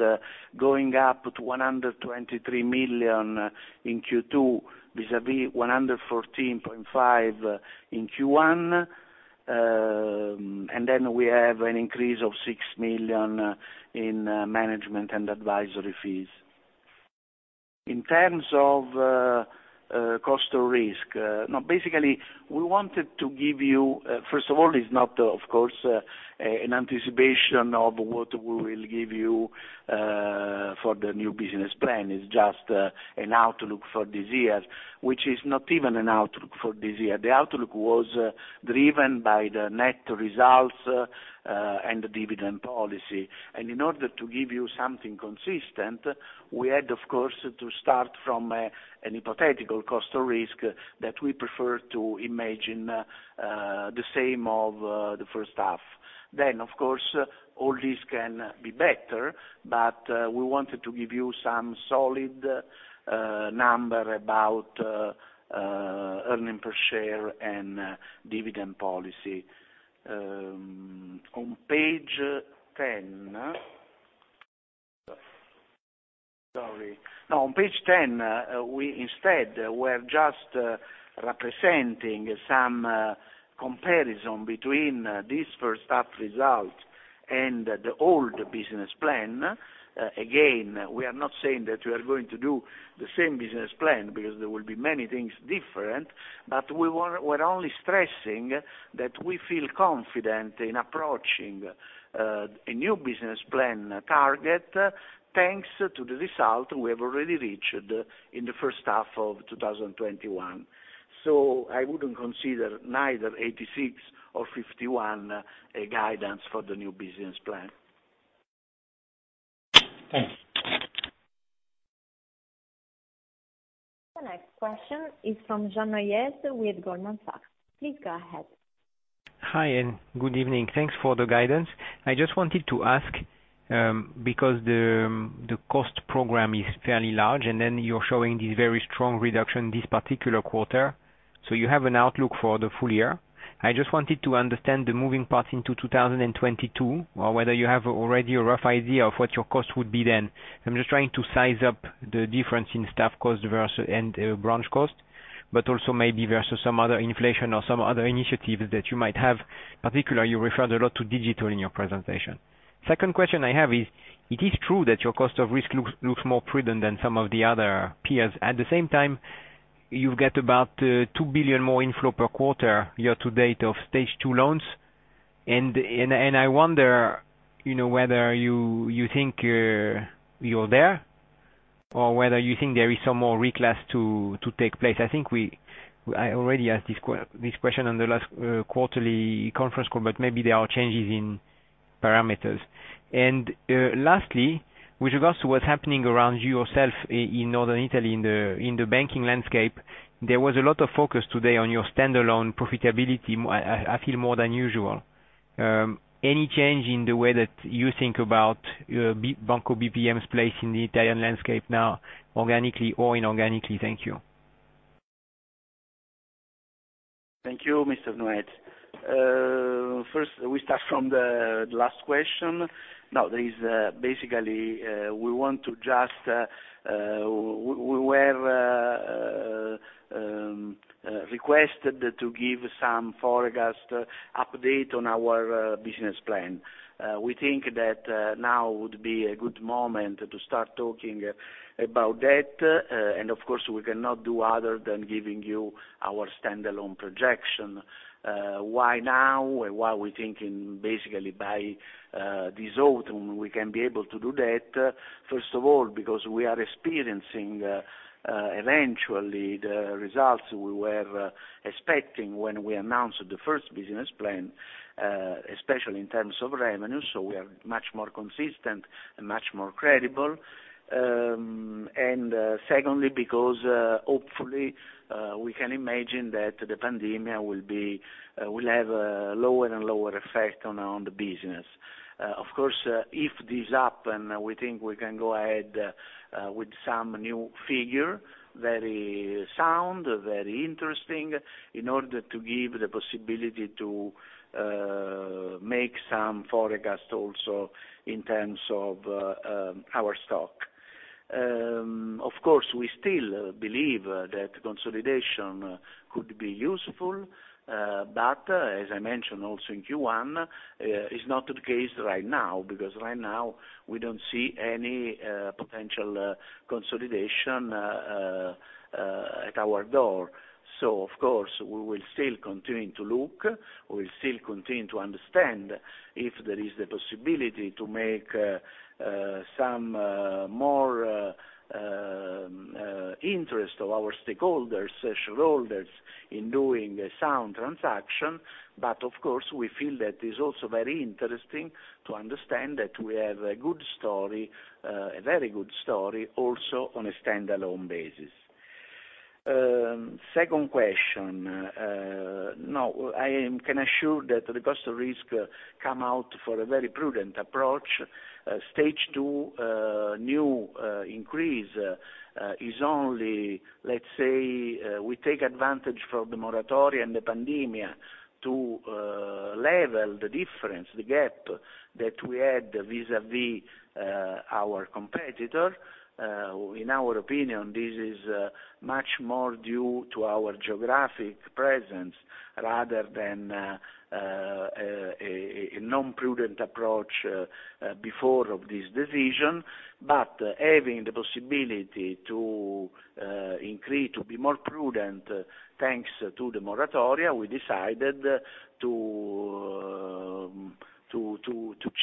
going up to 123 million in Q2, vis-a-vis 114.5 million in Q1. Then we have an increase of 6 million in management and advisory fees. In terms of cost of risk. First of all, it's not, of course, an anticipation of what we will give you for the new business plan. It's just an outlook for this year, which is not even an outlook for this year. The outlook was driven by the net results and the dividend policy. In order to give you something consistent, we had, of course, to start from a hypothetical cost of risk that we prefer to imagine the same of the first half. Of course, all this can be better, but we wanted to give you some solid number about earnings per share and dividend policy. On page 10. On page 10, instead, we're just representing some comparison between this first half result and the old business plan. Again, we are not saying that we are going to do the same business plan, because there will be many things different. We're only stressing that we feel confident in approaching a new business plan target, thanks to the result we have already reached in the first half of 2021. I wouldn't consider neither 86 or 51 a guidance for the new business plan. Thanks. The next question is from Jean-Francois Neuez with Goldman Sachs. Please go ahead. Hi, and good evening. Thanks for the guidance. I just wanted to ask, because the cost program is fairly large, and then you're showing this very strong reduction this particular quarter, so you have an outlook for the full year. I just wanted to understand the moving parts into 2022, or whether you have already a rough idea of what your cost would be then. I'm just trying to size up the difference in staff cost and branch cost, but also maybe versus some other inflation or some other initiatives that you might have. Particular, you referred a lot to digital in your presentation. Second question I have is, it is true that your cost of risk looks more prudent than some of the other peers. At the same time, you've got about 2 billion more inflow per quarter year to date of stage 2 loans. I wonder whether you think you're there, or whether you think there is some more reclass to take place. I think I already asked this question on the last quarterly conference call, but maybe there are changes in parameters. Lastly, with regards to what's happening around you yourself in Northern Italy, in the banking landscape, there was a lot of focus today on your standalone profitability, I feel more than usual. Any change in the way that you think about Banco BPM's place in the Italian landscape now, organically or inorganically? Thank you. Thank you, Mr. Neuez. We start from the last question. Basically, we have requested to give some forecast update on our business plan. We think that now would be a good moment to start talking about that. Of course, we cannot do other than giving you our standalone projection. Why now, why we thinking basically by this autumn, we can be able to do that. Because we are experiencing eventually the results we were expecting when we announced the first business plan, especially in terms of revenue, so we are much more consistent and much more credible. Secondly, because hopefully, we can imagine that the pandemic will have a lower and lower effect on the business. Of course, if this happen, we think we can go ahead with some new figure, very sound, very interesting, in order to give the possibility to make some forecast also in terms of our stock. Of course, we still believe that consolidation could be useful. As I mentioned also in Q1, it's not the case right now, because right now we don't see any potential consolidation at our door. Of course, we will still continue to look, we will still continue to understand if there is the possibility to make some more interest of our stakeholders, shareholders in doing a sound transaction. Of course, we feel that it's also very interesting to understand that we have a very good story, also on a standalone basis. Second question. No, I can assure that the cost of risk come out for a very prudent approach. Stage 2, new increase is only, let's say we take advantage for the moratoria and the pandemia to level the difference, the gap that we had vis-à-vis our competitor. In our opinion, this is much more due to our geographic presence rather than a non-prudent approach before of this decision. Having the possibility to be more prudent, thanks to the moratoria, we decided to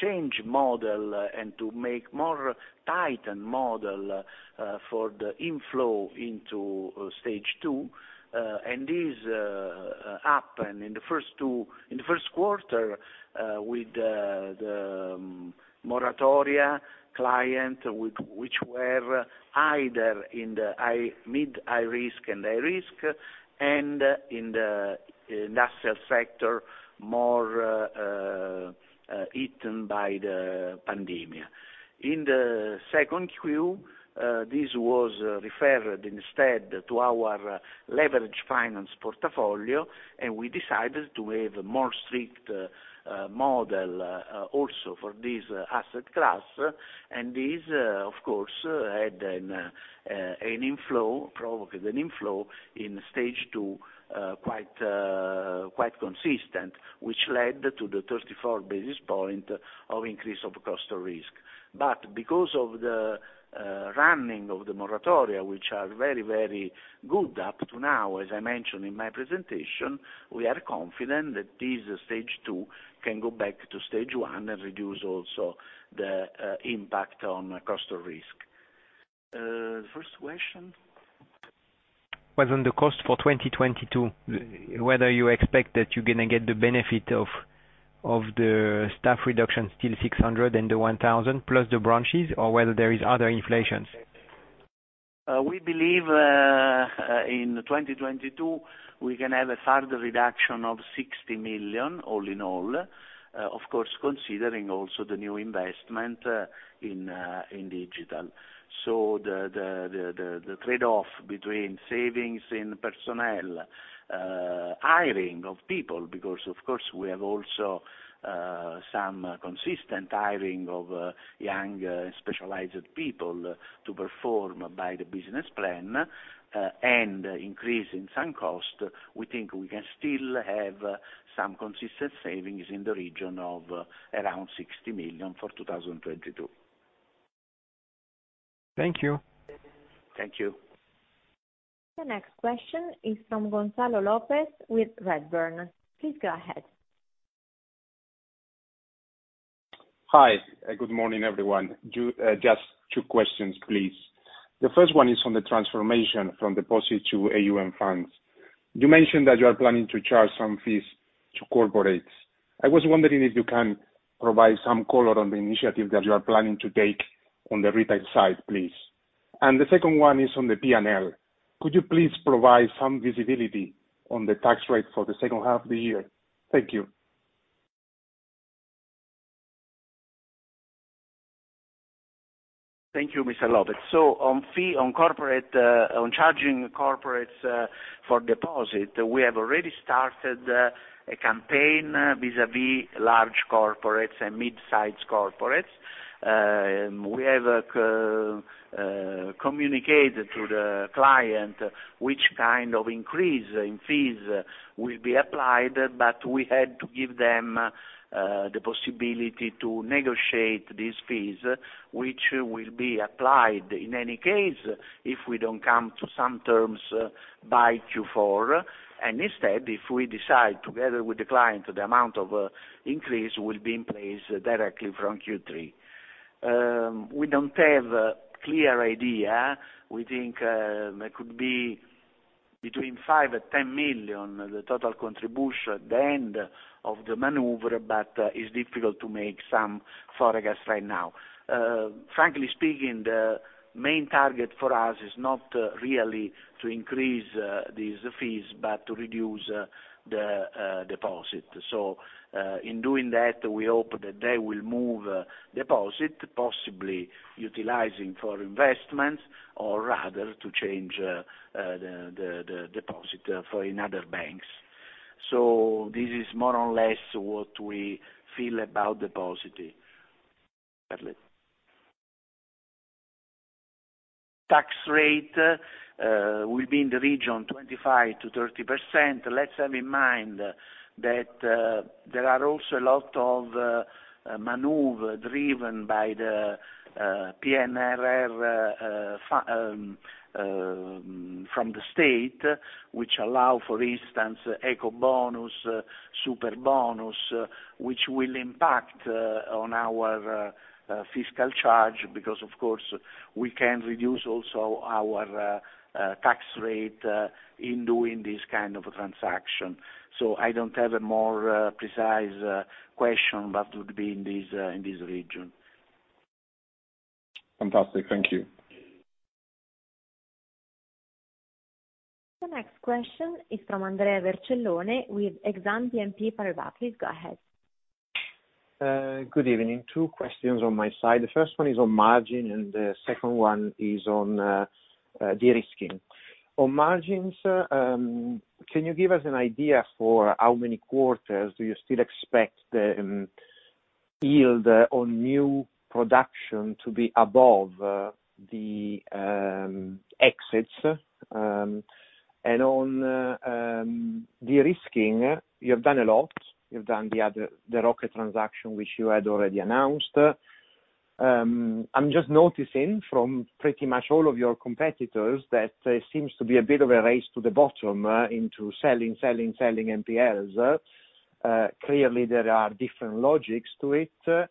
change model and to make more tightened model for the inflow into stage 2. This happen in the first quarter with the moratoria client, which were either in the mid-high risk and high risk, and in the industrial sector, more eaten by the pandemia. In the second Q, this was referred instead to our leverage finance portfolio, We decided to have a more strict model also for this asset class. This, of course, provoked an inflow in stage 2, quite consistent, which led to the 34 basis point of increase of cost of risk. Because of the running of the moratoria, which are very, very good up to now, as I mentioned in my presentation, we are confident that this stage 2 can go back to stage 1 and reduce also the impact on cost of risk. First question? Was on the cost for 2022, whether you expect that you're going to get the benefit of the staff reduction still 600 and the 1,000 plus the branches, or whether there is other inflations? We believe in 2022, we can have a further reduction of 60 million all in all, of course, considering also the new investment in digital. The trade-off between savings in personnel, hiring of people, because of course we have also some consistent hiring of young specialized people to perform by the business plan, and increase in some cost, we think we can still have some consistent savings in the region of around 60 million for 2022. Thank you. Thank you. The next question is from Gonzalo López with Redburn. Please go ahead. Hi. Good morning, everyone. Just two questions, please. The first one is on the transformation from deposit to AUM funds. You mentioned that you are planning to charge some fees to corporates. I was wondering if you can provide some color on the initiative that you are planning to take on the retail side, please. The second one is on the P&L. Could you please provide some visibility on the tax rate for the second half of the year? Thank you. Thank you, Mr. López. On charging corporates for deposit, we have communicated to the client which kind of increase in fees will be applied, but we had to give them the possibility to negotiate these fees, which will be applied in any case, if we don't come to some terms by Q4. Instead, if we decide together with the client, the amount of increase will be in place directly from Q3. We don't have a clear idea. We think it could be between 5 million and 10 million, the total contribution at the end of the maneuver, but it's difficult to make some forecast right now. Frankly speaking, the main target for us is not really to increase these fees, but to reduce the deposit. In doing that, we hope that they will move deposit, possibly utilizing for investment, or rather to change the deposit in other banks. This is more or less what we feel about depositing. Tax rate will be in the region 25%-30%. Let's have in mind that there are also a lot of maneuver driven by the PNRR from the state, which allow, for instance, Ecobonus, Superbonus, which will impact on our fiscal charge because, of course, we can reduce also our tax rate in doing this kind of transaction. I don't have a more precise question, but would be in this region. Fantastic. Thank you. The next question is from Andrea Vercellone with Exane BNP Paribas. Please go ahead. Good evening. Two questions on my side. The first one is on margin, and the second one is on de-risking. On margins, can you give us an idea for how many quarters do you still expect the yield on new production to be above the exits? On de-risking, you have done a lot. You've done the other, the Project Rockets transaction, which you had already announced. I'm just noticing from pretty much all of your competitors that there seems to be a bit of a race to the bottom into selling NPEs. Clearly, there are different logics to it.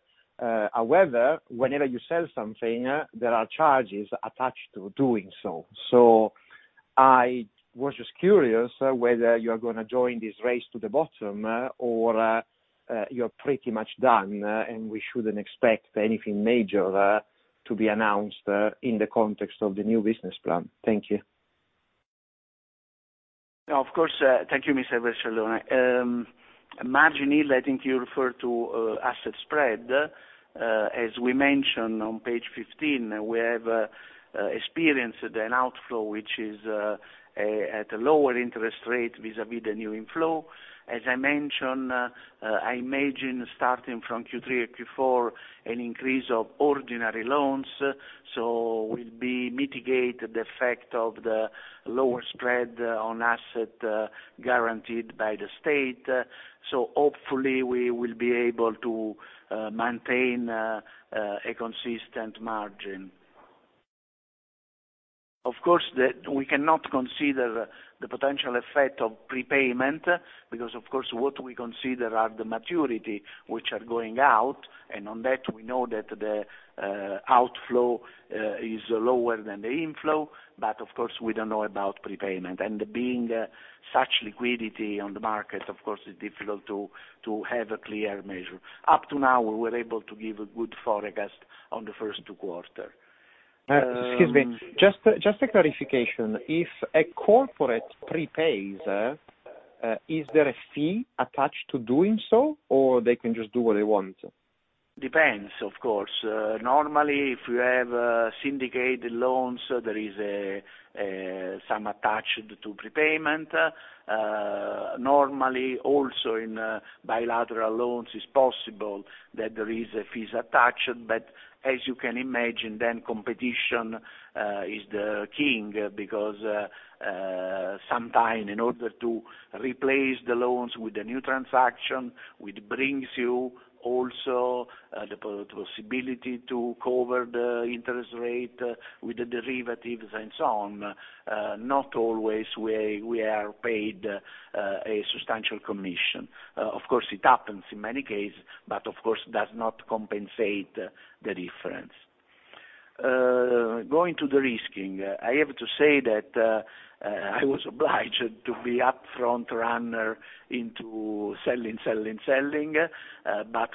Whenever you sell something, there are charges attached to doing so. I was just curious whether you are going to join this race to the bottom, or you're pretty much done, and we shouldn't expect anything major to be announced in the context of the new business plan. Thank you. Of course. Thank you, Mr. Vercellone. Margin yield, I think you refer to asset spread. As we mentioned on page 15, we have experienced an outflow, which is at a lower interest rate vis-à-vis the new inflow. As I mentioned, I imagine starting from Q3 or Q4, an increase of ordinary loans. Will be mitigate the effect of the lower spread on asset guaranteed by the state. Hopefully, we will be able to maintain a consistent margin. Of course, we cannot consider the potential effect of prepayment, because of course, what we consider are the maturity which are going out, and on that, we know that the outflow is lower than the inflow. Of course, we don't know about prepayment. Being such liquidity on the market, of course, it's difficult to have a clear measure. Up to now, we were able to give a good forecast on the first two quarter. Excuse me. Just a clarification. If a corporate prepays, is there a fee attached to doing so, or they can just do what they want? Depends, of course. Normally, if you have syndicated loans, there is some attached to prepayment. Normally, also in bilateral loans, it's possible that there is a fee attached, as you can imagine, competition is the king because sometimes in order to replace the loans with a new transaction, which brings you also the possibility to cover the interest rate with the derivatives and so on. Not always we are paid a substantial commission. Of course, it happens in many cases, of course, does not compensate the difference. Going to de-risking, I have to say that I was obliged to be upfront runner into selling.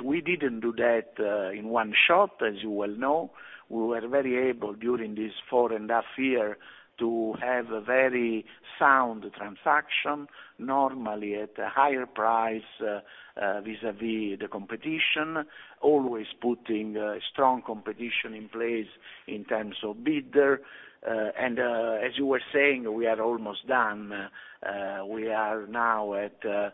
We didn't do that in one shot, as you well know. We were very able during this four and a half years to have a very sound transaction, normally at a higher price vis-à-vis the competition, always putting strong competition in place in terms of bidder. As you were saying, we are almost done. We are now at 6.2,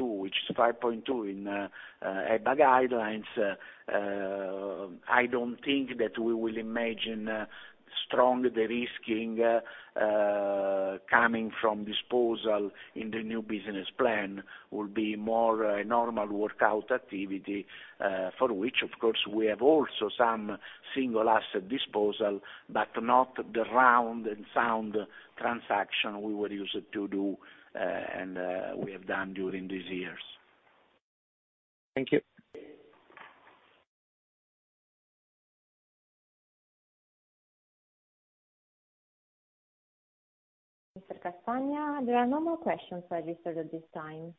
which is 5.2 in EBA guidelines. I don't think that we will imagine strong de-risking coming from disposal in the new business plan will be more a normal workout activity, for which, of course, we have also some single asset disposal, but not the round and sound transaction we were used to do, and we have done during these years. Thank you. Mr. Castagna, there are no more questions registered at this time.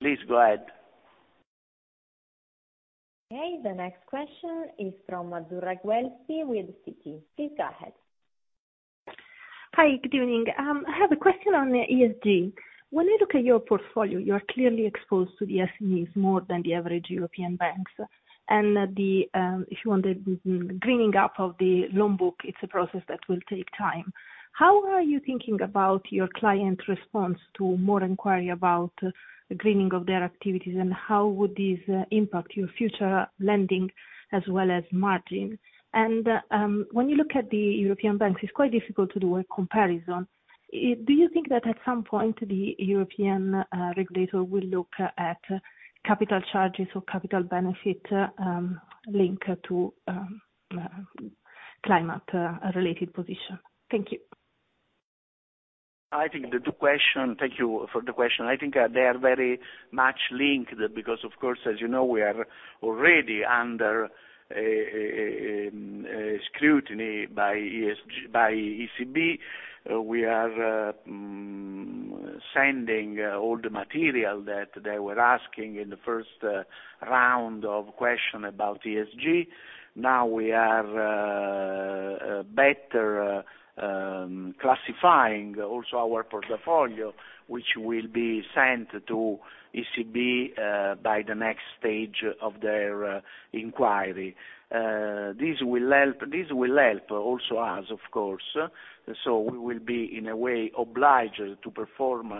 Please go ahead. Okay. The next question is from Azzurra Guelfi with Citi. Please go ahead. Hi, good evening. I have a question on the ESG. When I look at your portfolio, you are clearly exposed to the SMEs more than the average European banks. If you want the greening up of the loan book, it's a process that will take time. How are you thinking about your client response to more inquiry about the greening of their activities, and how would this impact your future lending as well as margin? When you look at the European banks, it's quite difficult to do a comparison. Do you think that at some point, the European regulator will look at capital charges or capital benefit link to climate related position? Thank you. Thank you for the question. I think they are very much linked because, of course, as you know, we are already under scrutiny by ECB. We are sending all the material that they were asking in the first round of questions about ESG. Now we are better classifying also our portfolio, which will be sent to ECB by the next stage of their inquiry. This will help also us, of course. We will be, in a way, obliged to perform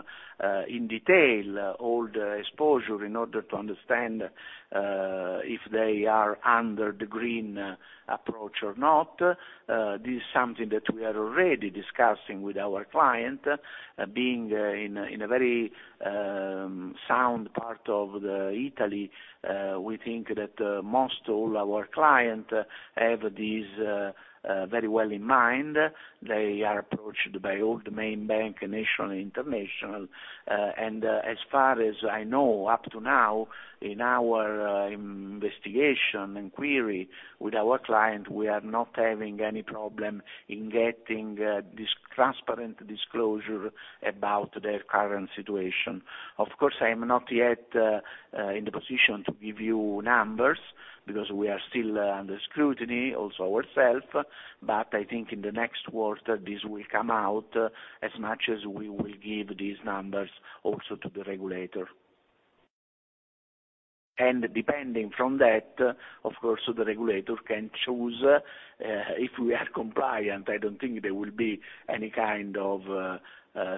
in detail all the exposure in order to understand if they are under the green approach or not. This is something that we are already discussing with our clients, being in a very sound part of Italy. We think that most all our clients have this very well in mind. They are approached by all the main banks, national and international. As far as I know, up to now, in our investigation and query with our client, we are not having any problem in getting this transparent disclosure about their current situation. Of course, I am not yet in the position to give you numbers because we are still under scrutiny also ourselves, but I think in the next quarter, this will come out as much as we will give these numbers also to the regulator. Depending from that, of course, the regulator can choose. If we are compliant, I don't think there will be any kind of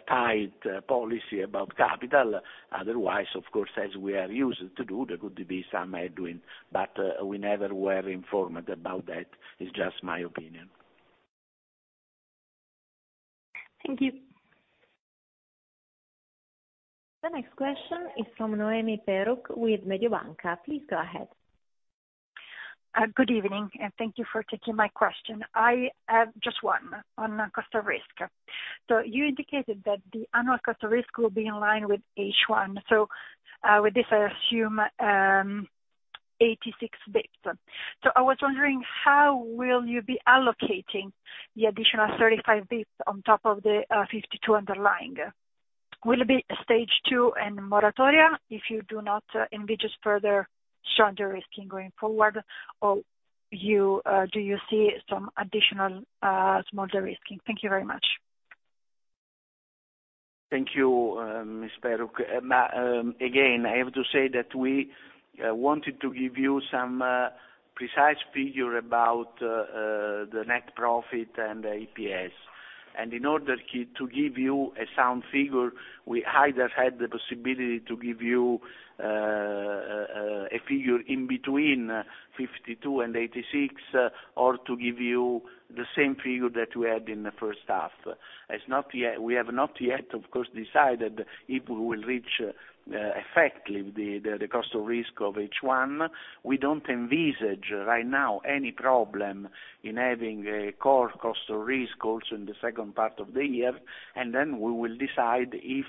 tight policy about capital. Otherwise, of course, as we are used to do, there could be some headway, but we never were informed about that. It's just my opinion. Thank you. The next question is from Noemi Peruch with Mediobanca. Please go ahead. Good evening, thank you for taking my question. I have just one on cost of risk. You indicated that the annual cost of risk will be in line with H1. With this, I assume 86 bps. I was wondering, how will you be allocating the additional 35 bps on top of the 52 bps underlying? Will it be Stage 2 and moratoria if you do not envisage further strong de-risking going forward, do you see some additional small de-risking? Thank you very much. Thank you, Ms. Peruch. I have to say that we wanted to give you some precise figure about the net profit and the EPS. In order to give you a sound figure, we either had the possibility to give you a figure in between 52 bps and 86 bps, or to give you the same figure that we had in the first half. We have not yet, of course, decided if we will reach effectively the cost of risk of H1. We don't envisage right now any problem in having a core cost of risk also in the second part of the year. We will decide if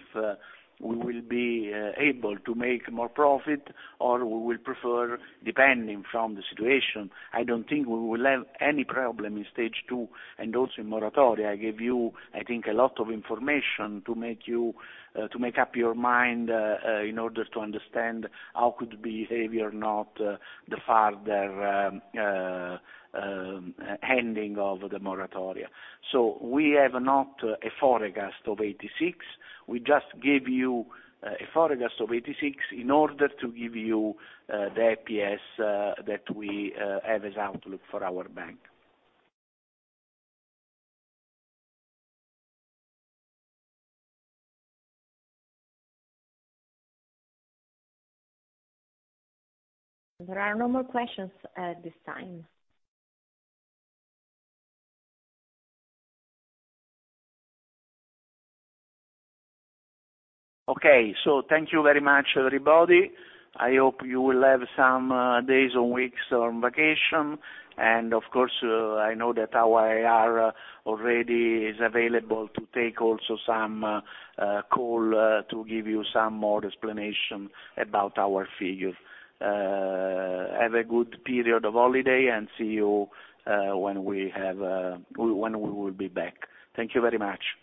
we will be able to make more profit or we will prefer, depending from the situation. I don't think we will have any problem in stage 2 and also in moratoria. I gave you, I think, a lot of information to make up your mind, in order to understand how could behavior not the further handing of the moratoria. We have not a forecast of 86 bps. We just gave you a forecast of 86 bps in order to give you the EPS that we have as outlook for our bank. There are no more questions at this time. Okay. Thank you very much, everybody. I hope you will have some days or weeks on vacation. Of course, I know that our IR already is available to take also some call to give you some more explanation about our figures. Have a good period of holiday and see you when we will be back. Thank you very much.